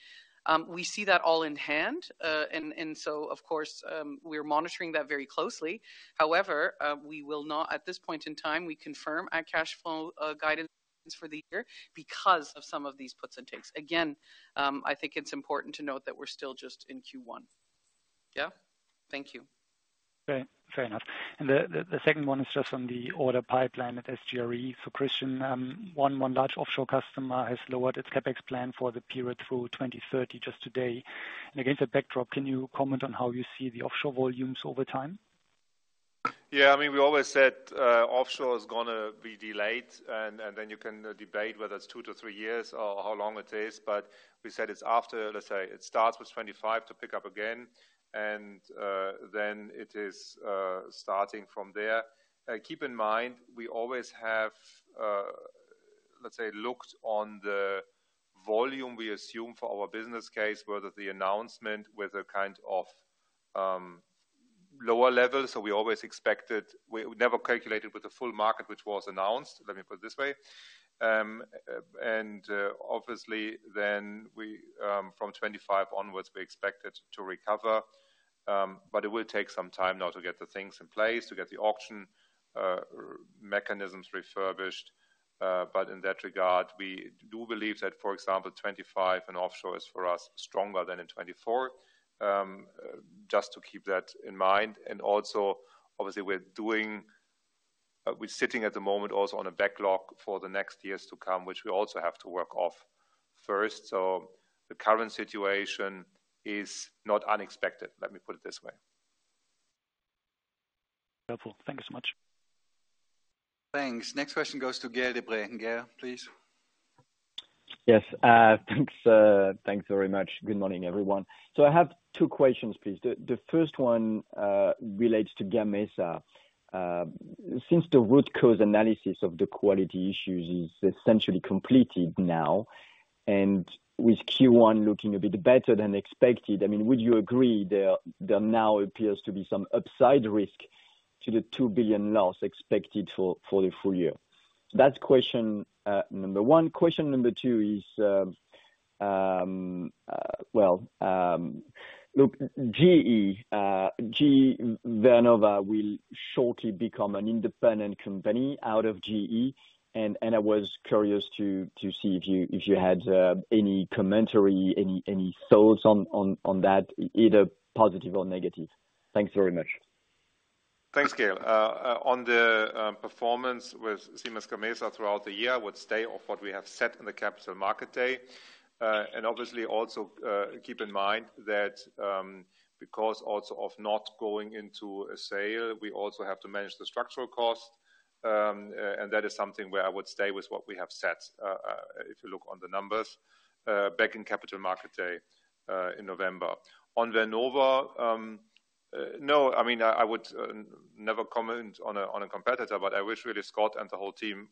D: We see that all in hand, and so, of course, we're monitoring that very closely. However, we will not—at this point in time, we confirm our cash flow guidance for the year because of some of these puts and takes. Again, I think it's important to note that we're still just in Q1. Yeah? Thank you.
I: Okay, fair enough. The second one is just on the order pipeline at SGRE. For Christian, one large offshore customer has lowered its CapEx plan for the period through 2030 just today. And against that backdrop, can you comment on how you see the offshore volumes over time?
C: Yeah, I mean, we always said, offshore is gonna be delayed, and then you can debate whether it's two to three years or how long it is. But we said it's after, let's say, it starts with 25 to pick up again, and then it is starting from there. Keep in mind, we always have, let's say, looked on the volume we assume for our business case, whether the announcement with a kind of lower level. So we always expected—we never calculated with the full market, which was announced, let me put it this way. And obviously, then we from 25 onwards, we expect it to recover, but it will take some time now to get the things in place, to get the auction mechanisms refurbished. But in that regard, we do believe that, for example, 2025 in offshore is, for us, stronger than in 2024. Just to keep that in mind. And also, obviously, we're sitting at the moment also on a backlog for the next years to come, which we also have to work off first. So the current situation is not unexpected. Let me put it this way.
I: Helpful. Thank you so much.
B: Thanks. Next question goes to Gaël de Bray. Gaël, please.
J: Yes, thanks, thanks very much. Good morning, everyone. So I have two questions, please. The first one relates to Gamesa. Since the root cause analysis of the quality issues is essentially completed now, and with Q1 looking a bit better than expected, I mean, would you agree there now appears to be some upside risk to the 2 billion loss expected for the full year? That's question number one. Question number two is, well, look, GE Vernova will shortly become an independent company out of GE, and I was curious to see if you had any commentary, any thoughts on that, either positive or negative? Thanks very much.
C: Thanks, Gail. On the performance with Siemens Gamesa throughout the year, I would stay off what we have set in the Capital Market Day. And obviously, also, keep in mind that, because also of not going into a sale, we also have to manage the structural cost. And that is something where I would stay with what we have set, if you look on the numbers, back in Capital Market Day, in November. On Vernova, no, I mean, I would never comment on a competitor, but I wish really Scott and the whole team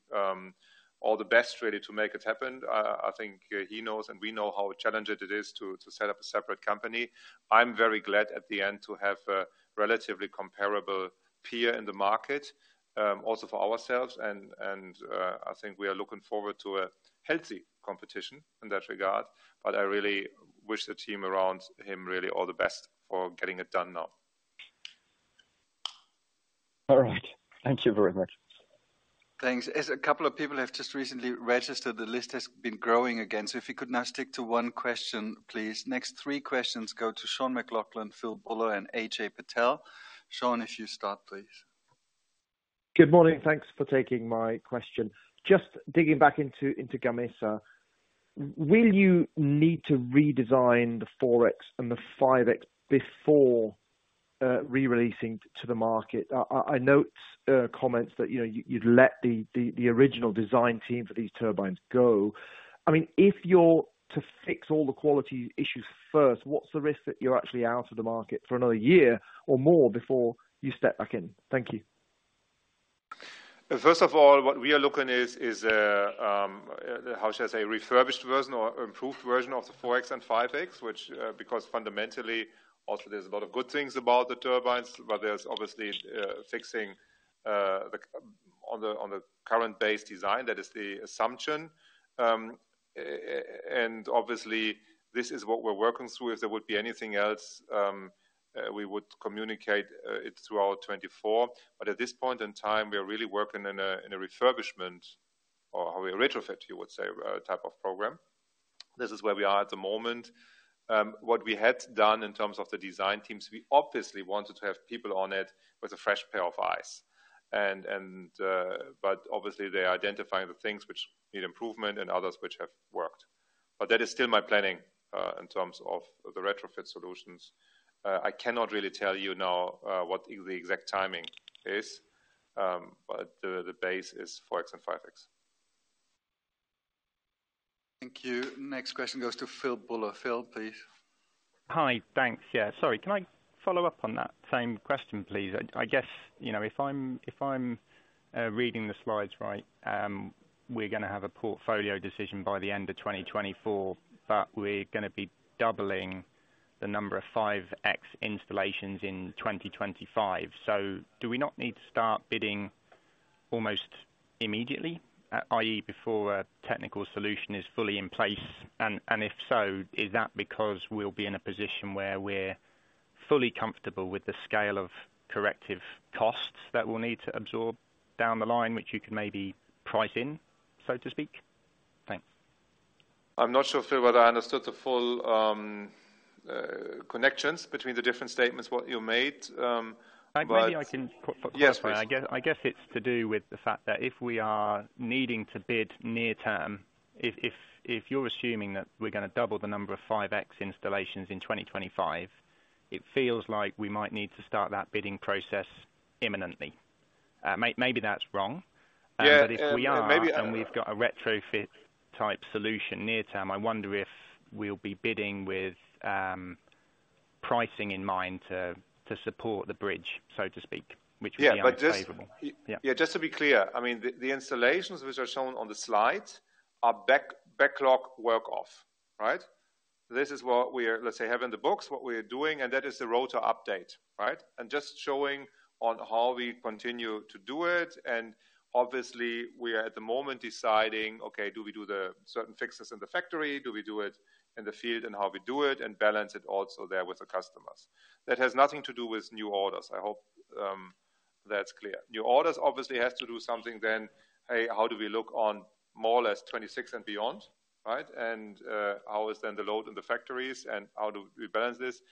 C: all the best, really, to make it happen. I think he knows, and we know how challenging it is to set up a separate company. I'm very glad at the end to have a relatively comparable peer in the market, also for ourselves, and I think we are looking forward to a healthy competition in that regard. But I really wish the team around him really all the best for getting it done now.
J: All right. Thank you very much.
B: Thanks. As a couple of people have just recently registered, the list has been growing again. If you could now stick to one question, please. Next three questions go to Sean McLoughlin, Phil Buller, and Ajay Patel. Sean, if you start, please.
K: Good morning. Thanks for taking my question. Just digging back into Gamesa, will you need to redesign the 4.X and the 5.X before re-releasing to the market? I note comments that, you know, you'd let the original design team for these turbines go. I mean, if you're to fix all the quality issues first, what's the risk that you're actually out of the market for another year or more before you step back in? Thank you.
C: First of all, what we are looking is a, how should I say, refurbished version or improved version of the 4.X and 5.X, which, because fundamentally, also, there's a lot of good things about the turbines, but there's obviously fixing the on the current base design, that is the assumption. And obviously, this is what we're working through. If there would be anything else, we would communicate it throughout 2024. But at this point in time, we are really working in a refurbishment or a retrofit, you would say, type of program. This is where we are at the moment. What we had done in terms of the design teams, we obviously wanted to have people on it with a fresh pair of eyes. But obviously, they're identifying the things which need improvement and others which have worked. But that is still my planning in terms of the retrofit solutions. I cannot really tell you now what the exact timing is, but the base is 4.X and 5.X.
B: Thank you. Next question goes to Phil Buller. Phil, please.
L: Hi. Thanks. Yeah, sorry, can I follow up on that same question, please? I, I guess, you know, if I'm, if I'm reading the slides right, we're gonna have a portfolio decision by the end of 2024, but we're gonna be doubling the number of 5.X installations in 2025. So do we not need to start bidding almost immediately, i.e., before a technical solution is fully in place? And, and if so, is that because we'll be in a position where we're fully comfortable with the scale of corrective costs that we'll need to absorb down the line, which you can maybe price in, so to speak? Thanks.
C: I'm not sure, Phil, whether I understood the full connections between the different statements, what you made, but-
L: Maybe I can put-
C: Yes, please.
L: I guess it's to do with the fact that if we are needing to bid near term, if you're assuming that we're gonna double the number of 5.X installations in 2025, it feels like we might need to start that bidding process imminently. Maybe that's wrong.
C: Yeah, maybe.
L: But if we are, and we've got a retrofit-type solution near term, I wonder if we'll be bidding with pricing in mind to support the bridge, so to speak, which would be unfavorable.
C: Yeah, but just-
L: Yeah.
C: Yeah, just to be clear, I mean, the installations which are shown on the slide are backlog work off, right? This is what we, let's say, have in the books, what we are doing, and that is the road to update, right? And just showing on how we continue to do it, and obviously, we are, at the moment, deciding: Okay, do we do the certain fixes in the factory? Do we do it in the field? And how we do it, and balance it also there with the customers. That has nothing to do with new orders. I hope that's clear. New orders obviously has to do something, then, hey, how do we look on more or less 2026 and beyond, right? And how is then the load in the factories, and how do we balance this?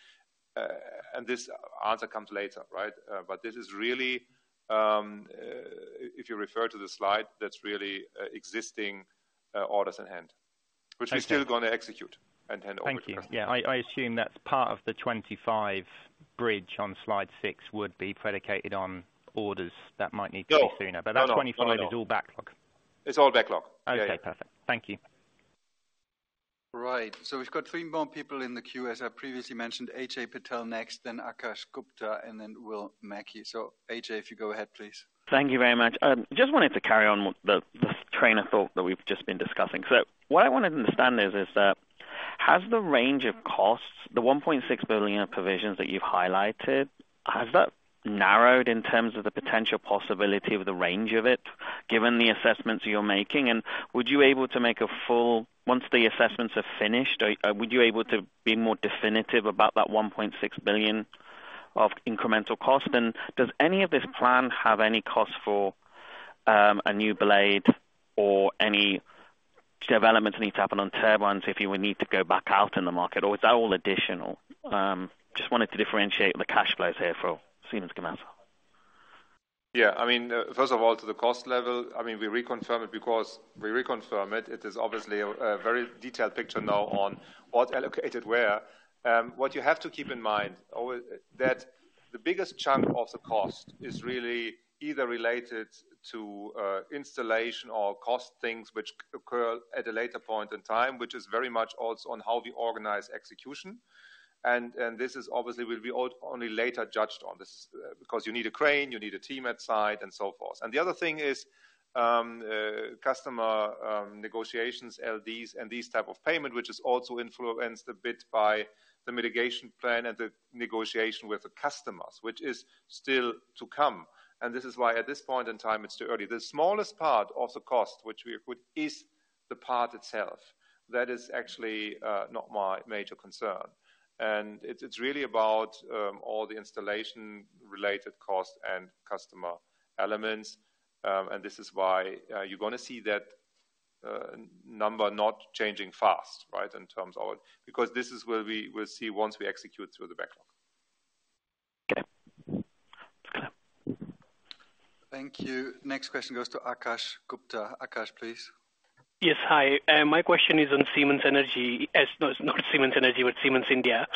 C: And this answer comes later, right? But this is really, if you refer to the slide, that's really existing orders in hand.
L: Okay.
C: Which we're still gonna execute and hand over to customers.
L: Thank you. Yeah, I assume that's part of the 25 bridge on slide six would be predicated on orders that might need to be sooner.
C: No.
L: But that 25 is all backlog.
C: It's all backlog.
L: Okay, perfect. Thank you.
B: Right. So we've got three more people in the queue, as I previously mentioned. Ajay Patel next, then Akash Gupta, and then Will Mackie. So Ajay, if you go ahead, please.
M: Thank you very much. Just wanted to carry on with the train of thought that we've just been discussing. So what I wanted to understand is that, has the range of costs, the 1.6 billion provisions that you've highlighted, has that narrowed in terms of the potential possibility of the range of it, given the assessments you're making? And would you able to... Once the assessments are finished, would you able to be more definitive about that 1.6 billion of incremental cost? And does any of this plan have any cost for, a new blade or any developments that need to happen on turbines if you would need to go back out in the market, or is that all additional? Just wanted to differentiate the cash flows here for Siemens Gamesa.
C: Yeah, I mean, first of all, to the cost level, I mean, we reconfirm it because we reconfirm it. It is obviously a very detailed picture now on what allocated where. What you have to keep in mind that the biggest chunk of the cost is really either related to installation or cost things which occur at a later point in time, which is very much also on how we organize execution. And this is obviously will be only later judged on. This is because you need a crane, you need a team at site, and so forth. And the other thing is customer negotiations, LDs and these type of payment, which is also influence the bid by the mitigation plan and the negotiation with the customers, which is still to come. This is why, at this point in time, it's too early. The smallest part of the cost, which we put, is the part itself. That is actually not my major concern. And it's, it's really about all the installation-related cost and customer elements. And this is why you're gonna see that number not changing fast, right, in terms of all. Because this is where we will see once we execute through the backlog.
M: Okay.
B: Thank you. Next question goes to Akash Gupta. Akash, please.
N: Yes, hi. My question is on Siemens Energy. No, it's not Siemens Energy, but Siemens India.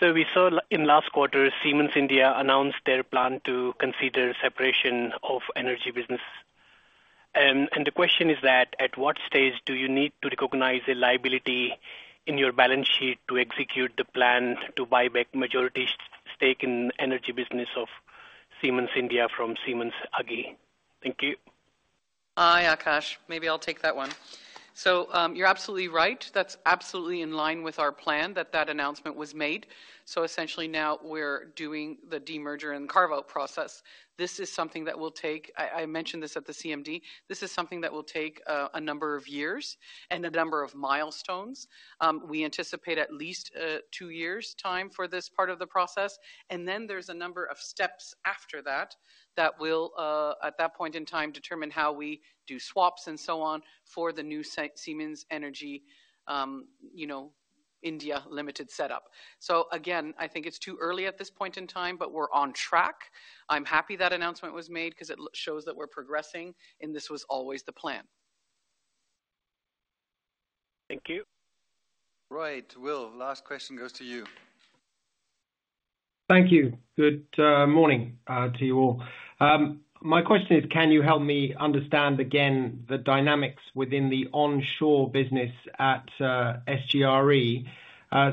N: So we saw in last quarter, Siemens India announced their plan to consider separation of energy business. And the question is that, at what stage do you need to recognize the liability in your balance sheet to execute the plan to buy back majority stake in energy business of Siemens India from Siemens AG? Thank you.
D: Hi, Akash. Maybe I'll take that one. So, you're absolutely right. That's absolutely in line with our plan, that the announcement was made. So essentially now we're doing the demerger and carve-out process. This is something that will take. I mentioned this at the CMD. This is something that will take a number of years and a number of milestones. We anticipate at least two years' time for this part of the process. And then there's a number of steps after that, that will at that point in time, determine how we do swaps and so on for the new Siemens Energy India Limited setup. So again, I think it's too early at this point in time, but we're on track. I'm happy that announcement was made 'cause it shows that we're progressing, and this was always the plan.
N: Thank you.
B: Right. Will, last question goes to you.
O: Thank you. Good morning to you all. My question is, can you help me understand again the dynamics within the onshore business at SGRE?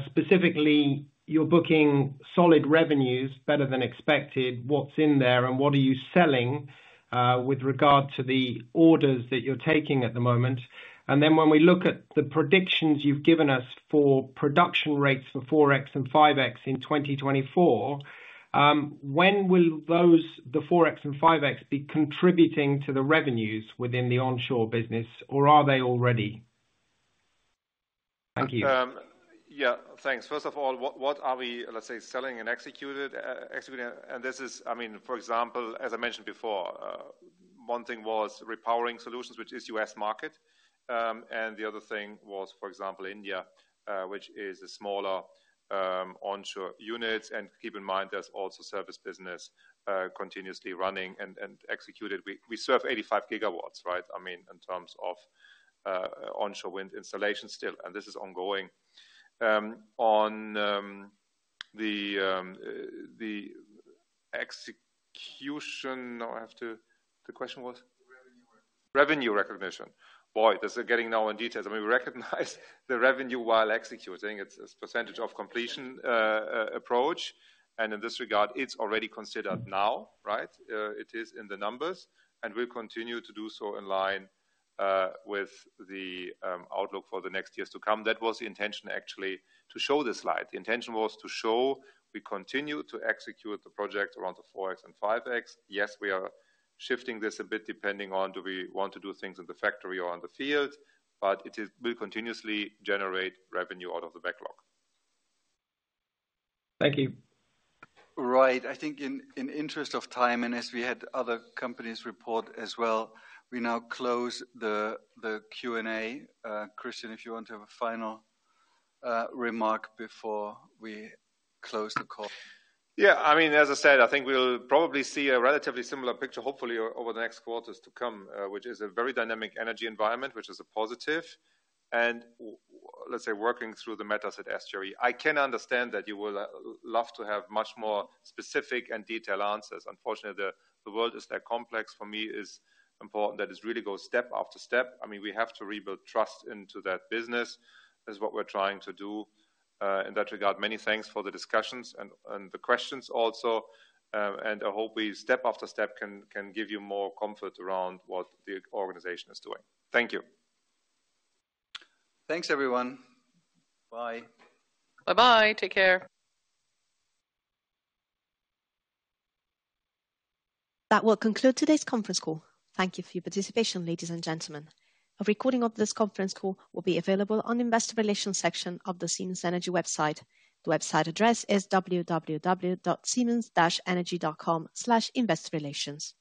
O: Specifically, you're booking solid revenues better than expected. What's in there, and what are you selling with regard to the orders that you're taking at the moment? And then when we look at the predictions you've given us for production rates for 4.X and 5.X in 2024, when will those, the 4.X and 5.X, be contributing to the revenues within the onshore business, or are they already? Thank you.
C: Yeah, thanks. First of all, what are we, let's say, selling and executing? And this is... I mean, for example, as I mentioned before, one thing was repowering solutions, which is U.S. market. And the other thing was, for example, India, which is a smaller onshore unit. And keep in mind, there's also service business continuously running and executed. We serve 85 GW, right? I mean, in terms of onshore wind installation still, and this is ongoing. On the execution— Now, I have to— The question was?
B: Revenue recognition.
C: Revenue recognition. Boy, this is getting now in details. I mean, we recognize the revenue while executing. It's a percentage of completion approach, and in this regard, it's already considered now, right? It is in the numbers, and we'll continue to do so in line with the outlook for the next years to come. That was the intention, actually, to show this slide. The intention was to show we continue to execute the project around the 4.X and 5.X. Yes, we are shifting this a bit, depending on, do we want to do things in the factory or on the field, but it is, we continuously generate revenue out of the backlog.
O: Thank you.
B: Right. I think in interest of time, and as we had other companies report as well, we now close the Q&A. Christian, if you want to have a final remark before we close the call.
C: Yeah, I mean, as I said, I think we'll probably see a relatively similar picture, hopefully, over the next quarters to come, which is a very dynamic energy environment, which is a positive. And let's say, working through the matters at SGRE. I can understand that you would love to have much more specific and detailed answers. Unfortunately, the world is that complex. For me, it's important that it really goes step after step. I mean, we have to rebuild trust into that business. That's what we're trying to do. In that regard, many thanks for the discussions and the questions also. And I hope we, step after step, can give you more comfort around what the organization is doing. Thank you.
B: Thanks, everyone. Bye.
D: Bye-bye. Take care.
A: That will conclude today's conference call. Thank you for your participation, ladies and gentlemen. A recording of this conference call will be available on the Investor Relations section of the Siemens Energy website. The website address is www.siemens-energy.com/investorrelations.